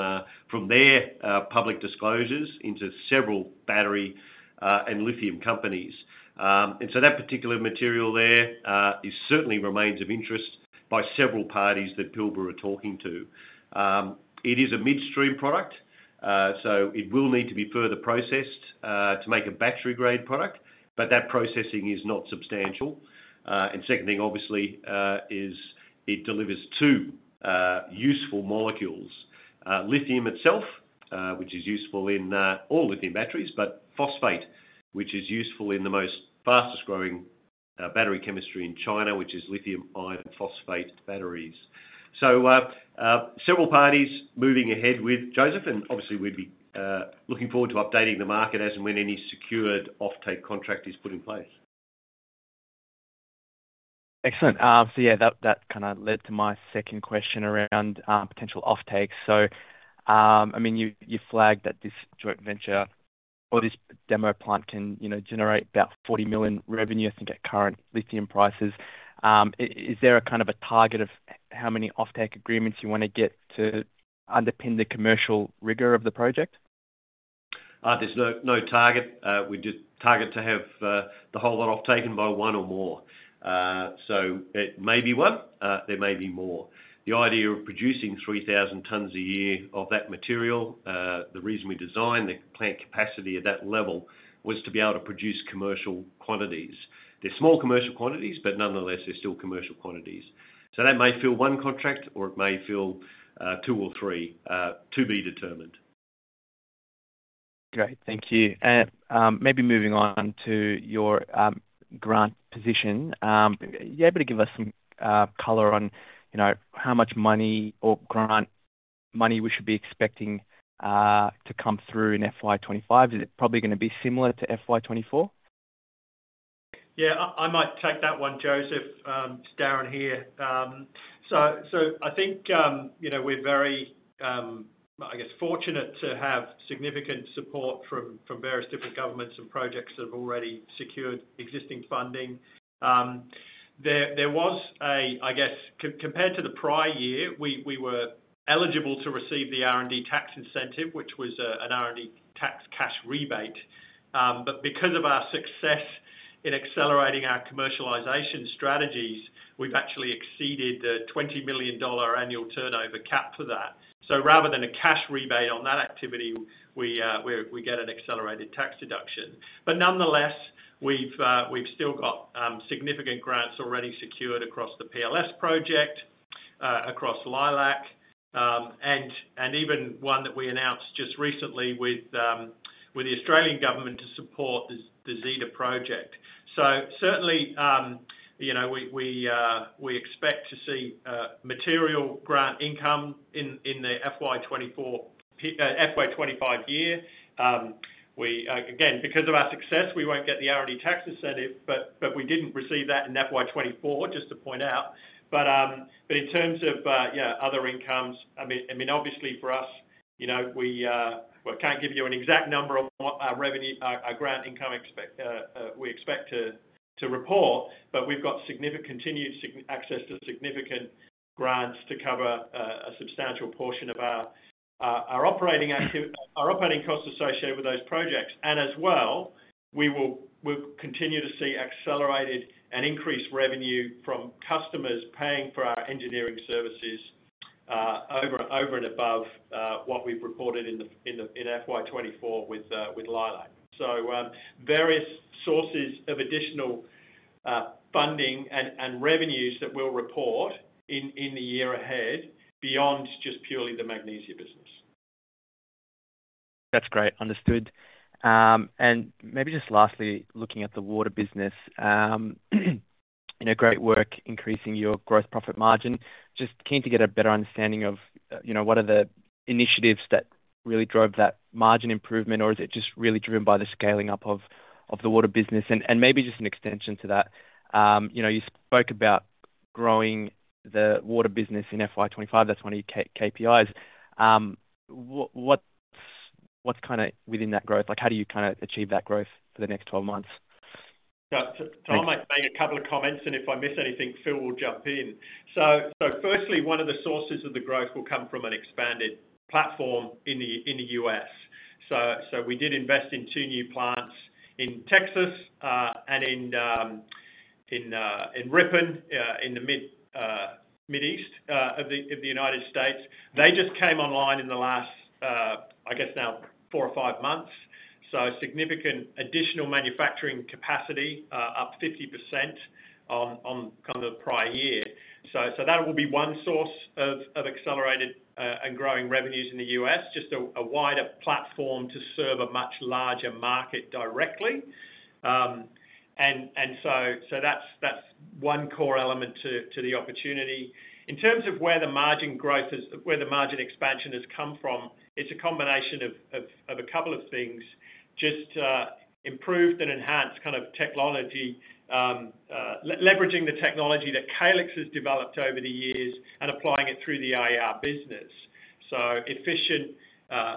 their public disclosures into several battery and lithium companies. And so that particular material there is certainly remains of interest by several parties that Pilbara are talking to. It is a midstream product, so it will need to be further processed to make a battery-grade product, but that processing is not substantial. And second thing, obviously, is it delivers two useful molecules: lithium itself, which is useful in all lithium batteries, but phosphate, which is useful in the most fastest growing battery chemistry in China, which is lithium iron phosphate batteries. So, several parties moving ahead with Joseph, and obviously, we'd be looking forward to updating the market as and when any secured offtake contract is put in place. Excellent. So yeah, that, that kind of led to my second question around potential offtake. So, I mean, you, you flagged that this joint venture or this demo plant can, you know, generate about 40 million revenue, I think, at current lithium prices. Is there a kind of a target of how many offtake agreements you wanna get to underpin the commercial rigor of the project? There's no target. We just target to have the whole lot offtaken by one or more. So it may be one, there may be more. The idea of producing three thousand tons a year of that material, the reason we designed the plant capacity at that level, was to be able to produce commercial quantities. They're small commercial quantities, but nonetheless, they're still commercial quantities. So that may fill one contract or it may fill two or three, to be determined. Great. Thank you. And maybe moving on to your grant position, are you able to give us some color on, you know, how much money or grant money we should be expecting to come through in FY 2025? Is it probably gonna be similar to FY 2024? Yeah, I might take that one, Joseph. It's Darren here. So I think, you know, we're very, I guess, fortunate to have significant support from various different governments and projects that have already secured existing funding. There was, I guess, compared to the prior year, we were eligible to receive the R&D tax incentive, which was an R&D tax cash rebate. But because of our success in accelerating our commercialization strategies, we've actually exceeded the 20 million dollar annual turnover cap for that. So rather than a cash rebate on that activity, we get an accelerated tax deduction. But nonetheless, we've still got significant grants already secured across the PLS project, across Leilac, and even one that we announced just recently with the Australian government to support the ZETA project. So certainly, you know, we expect to see material grant income in the FY 24, FY 25 year. We again, because of our success, we won't get the R&D tax incentive, but we didn't receive that in FY 24, just to point out. But, but in terms of, yeah, other incomes, I mean, obviously for us, you know, we, well, I can't give you an exact number of what our revenue, our grant income expect, we expect to report, but we've got significant, continued access to significant grants to cover a substantial portion of our operating costs associated with those projects. And as well, we will, we'll continue to see accelerated and increased revenue from customers paying for our engineering services over and above what we've reported in the FY 2024 with Leilac. So, various sources of additional funding and revenues that we'll report in the year ahead, beyond just purely the magnesia business. That's great. Understood. And maybe just lastly, looking at the water business, you know, great work increasing your gross profit margin. Just keen to get a better understanding of, you know, what are the initiatives that really drove that margin improvement, or is it just really driven by the scaling up of the water business? And maybe just an extension to that, you know, you spoke about growing the water business in FY 2025. That's one of your KPIs. What's kind of within that growth? Like, how do you kind of achieve that growth for the next 12 months? Yeah, so I might make a couple of comments, and if I miss anything, Phil will jump in. So, firstly, one of the sources of the growth will come from an expanded platform in the US. So, we did invest in two new plants in Texas, and in Ripon, in the Midwest of the United States. They just came online in the last, I guess now, four or five months. So significant additional manufacturing capacity, up 50% on kind of the prior year. So, that will be one source of accelerated and growing revenues in the US, just a wider platform to serve a much larger market directly. And, so that's one core element to the opportunity. In terms of where the margin growth is, where the margin expansion has come from, it's a combination of a couple of things: Just improved and enhanced kind of technology, leveraging the technology that Calix has developed over the years and applying it through the IER business. So efficient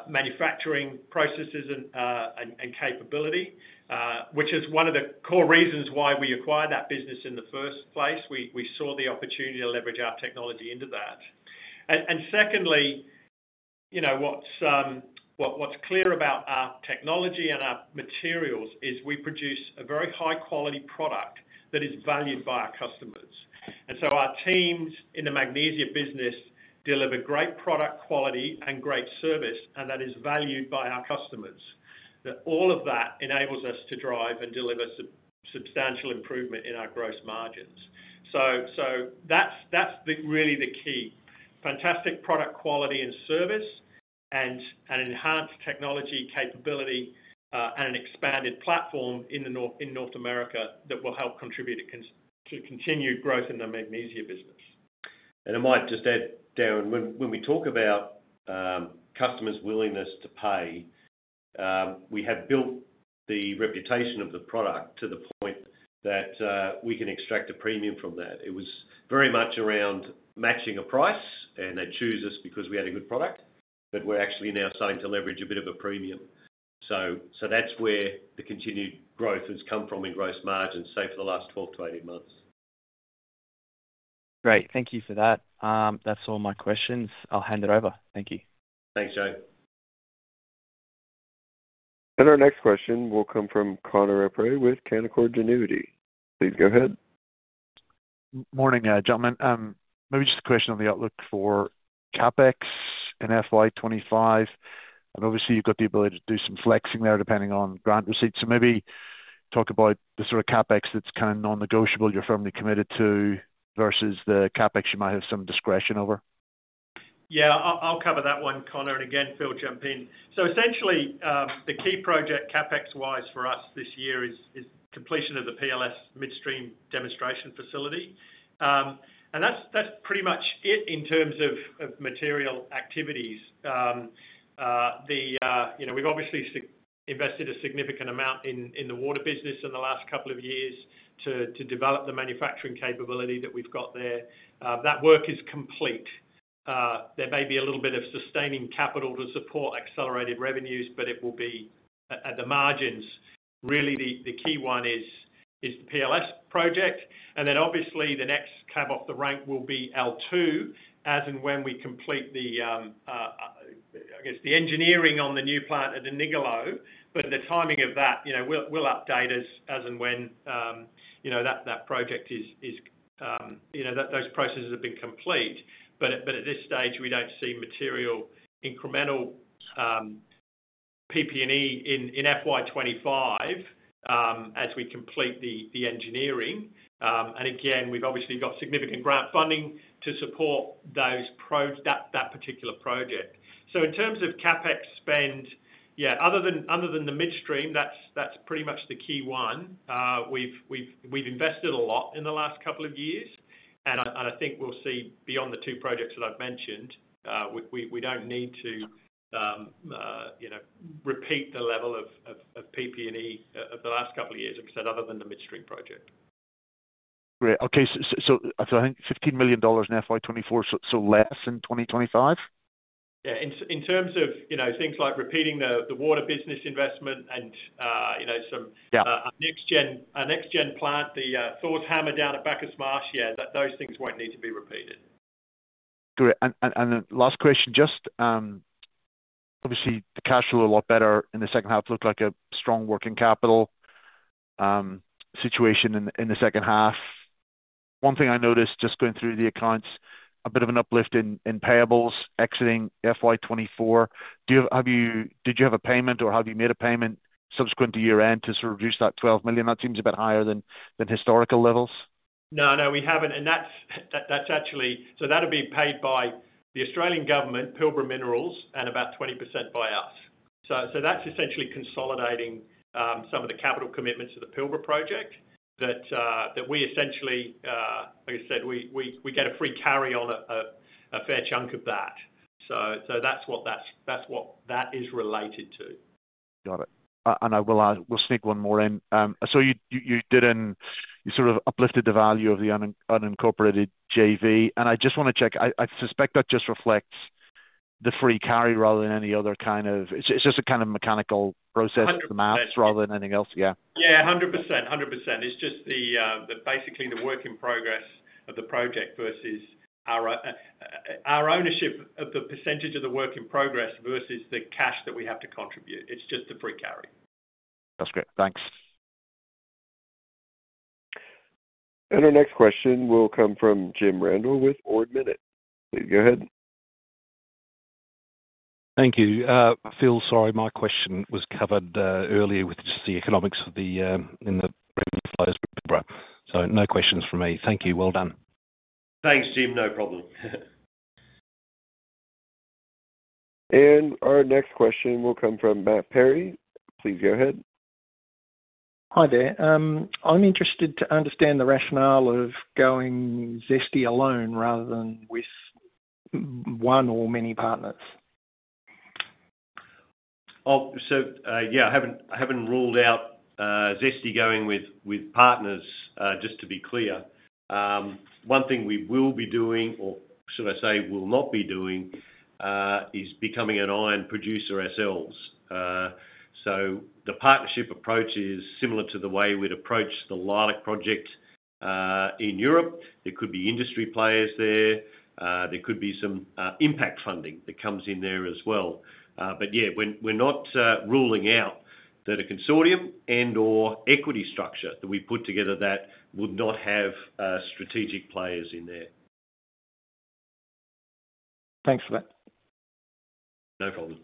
manufacturing processes and capability, which is one of the core reasons why we acquired that business in the first place. We saw the opportunity to leverage our technology into that. And secondly, you know, what's clear about our technology and our materials is we produce a very high-quality product that is valued by our customers. And so our teams in the magnesia business deliver great product quality and great service, and that is valued by our customers. That all of that enables us to drive and deliver substantial improvement in our gross margins. So that's really the key. Fantastic product quality and service, and an enhanced technology capability, and an expanded platform in North America that will help contribute to continued growth in the magnesia business. And I might just add, Darren, when we talk about customers' willingness to pay, we have built the reputation of the product to the point that we can extract a premium from that. It was very much around matching a price, and they'd choose us because we had a good product, but we're actually now starting to leverage a bit of a premium. So that's where the continued growth has come from in gross margins, say, for the last 12 to eighteen months. Great. Thank you for that. That's all my questions. I'll hand it over. Thank you. Thanks, Joe. Our next question will come from Connor O'Prey with Canaccord Genuity. Please go ahead. Morning, gentlemen. Maybe just a question on the outlook for CapEx in FY 2025, and obviously, you've got the ability to do some flexing there, depending on grant receipts. So maybe talk about the sort of CapEx that's kind of non-negotiable, you're firmly committed to, versus the CapEx you might have some discretion over. Yeah, I'll cover that one, Connor, and again, Phil, jump in. So essentially, the key project, CapEx wise for us this year, is completion of the PLS midstream demonstration facility. And that's pretty much it in terms of material activities. You know, we've obviously invested a significant amount in the water business in the last couple of years to develop the manufacturing capability that we've got there. That work is complete. There may be a little bit of sustaining capital to support accelerated revenues, but it will be at the margins. Really, the key one is the PLS project, and then obviously the next cab off the rank will be L2, as in when we complete the engineering on the new plant at Ennigerloh. But the timing of that, you know, we'll update as and when, you know, that project is, you know, those processes have been complete. But at this stage, we don't see material incremental PP&E in FY 2025 as we complete the engineering. And again, we've obviously got significant grant funding to support that particular project. So in terms of CapEx spend, yeah, other than the midstream, that's pretty much the key one. We've invested a lot in the last couple of years, and I think we'll see beyond the two projects that I've mentioned, we don't need to, you know, repeat the level of PP&E the last couple of years, I've said, other than the midstream project. Great. Okay, so I think 15 million dollars in FY 2024, so less in 2025? Yeah, in terms of, you know, things like repeating the water business investment and, you know, some- Yeah. next gen, our next gen plant, the Thor's Hammer down at Bacchus Marsh. Yeah, that, those things won't need to be repeated. Great. And then last question, just obviously, the cash flow a lot better in the second half, looked like a strong working capital situation in the second half. One thing I noticed, just going through the accounts, a bit of an uplift in payables exiting FY 2024. Do you have a payment or have you made a payment subsequent to year-end to sort of reduce that 12 million? That seems a bit higher than historical levels. No, no, we haven't. And that's actually so that'll be paid by the Australian government, Pilbara Minerals, and about 20% by us. So that's essentially consolidating some of the capital commitments to the Pilbara project that we essentially, like I said, we get a free carry on a fair chunk of that. So that's what that is related to. Got it. And I will add, we'll sneak one more in. So you didn't, you sort of uplifted the value of the unincorporated JV, and I just want to check. I suspect that just reflects the free carry rather than any other kind of it's just a kind of mechanical process- 100%. Rather than anything else. Yeah. Yeah, 100%, 100%. It's just basically the work in progress of the project versus our ownership of the percentage of the work in progress versus the cash that we have to contribute. It's just a free carry. That's great. Thanks. Our next question will come from Jim Randall with Ord Minnett. Please go ahead. Thank you. Phil, sorry, my question was covered earlier with just the economics in the revenue flows with Pilbara. So no questions from me. Thank you. Well done. Thanks, Jim. No problem. And our next question will come from Matt Perry. Please go ahead. Hi there. I'm interested to understand the rationale of going ZESTY alone rather than with one or many partners. Oh, so, yeah, I haven't ruled out ZESTY going with partners, just to be clear. One thing we will be doing, or should I say, will not be doing, is becoming an iron producer ourselves. So the partnership approach is similar to the way we'd approach the Leilac project in Europe. There could be industry players there, there could be some impact funding that comes in there as well. But yeah, we're not ruling out that a consortium and/or equity structure that we put together that would not have strategic players in there. Thanks for that. No problem.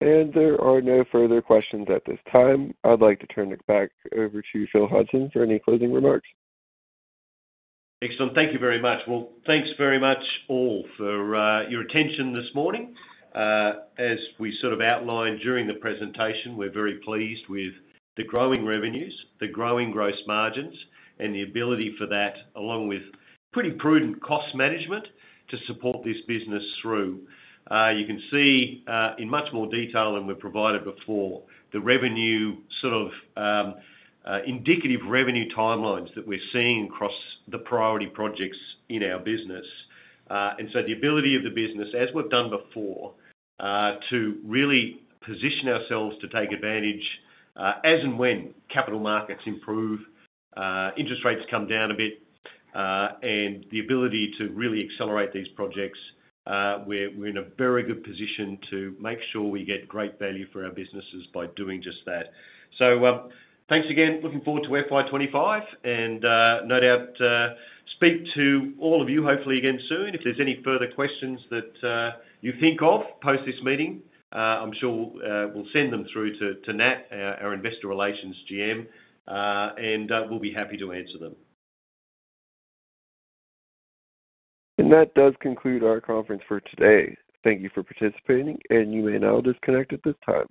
There are no further questions at this time. I'd like to turn it back over to Phil Hodgson for any closing remarks. Excellent. Thank you very much, well, thanks very much all for your attention this morning. As we sort of outlined during the presentation, we're very pleased with the growing revenues, the growing gross margins, and the ability for that, along with pretty prudent cost management, to support this business through. You can see, in much more detail than we've provided before, the revenue sort of indicative revenue timelines that we're seeing across the priority projects in our business, and so the ability of the business, as we've done before, to really position ourselves to take advantage as and when capital markets improve, interest rates come down a bit, and the ability to really accelerate these projects, we're in a very good position to make sure we get great value for our businesses by doing just that. So, thanks again. Looking forward to FY 25 and, no doubt, speak to all of you, hopefully again soon. If there's any further questions that you think of post this meeting, I'm sure we'll send them through to Nat, our investor relations GM, and we'll be happy to answer them. That does conclude our conference for today. Thank you for participating, and you may now disconnect at this time.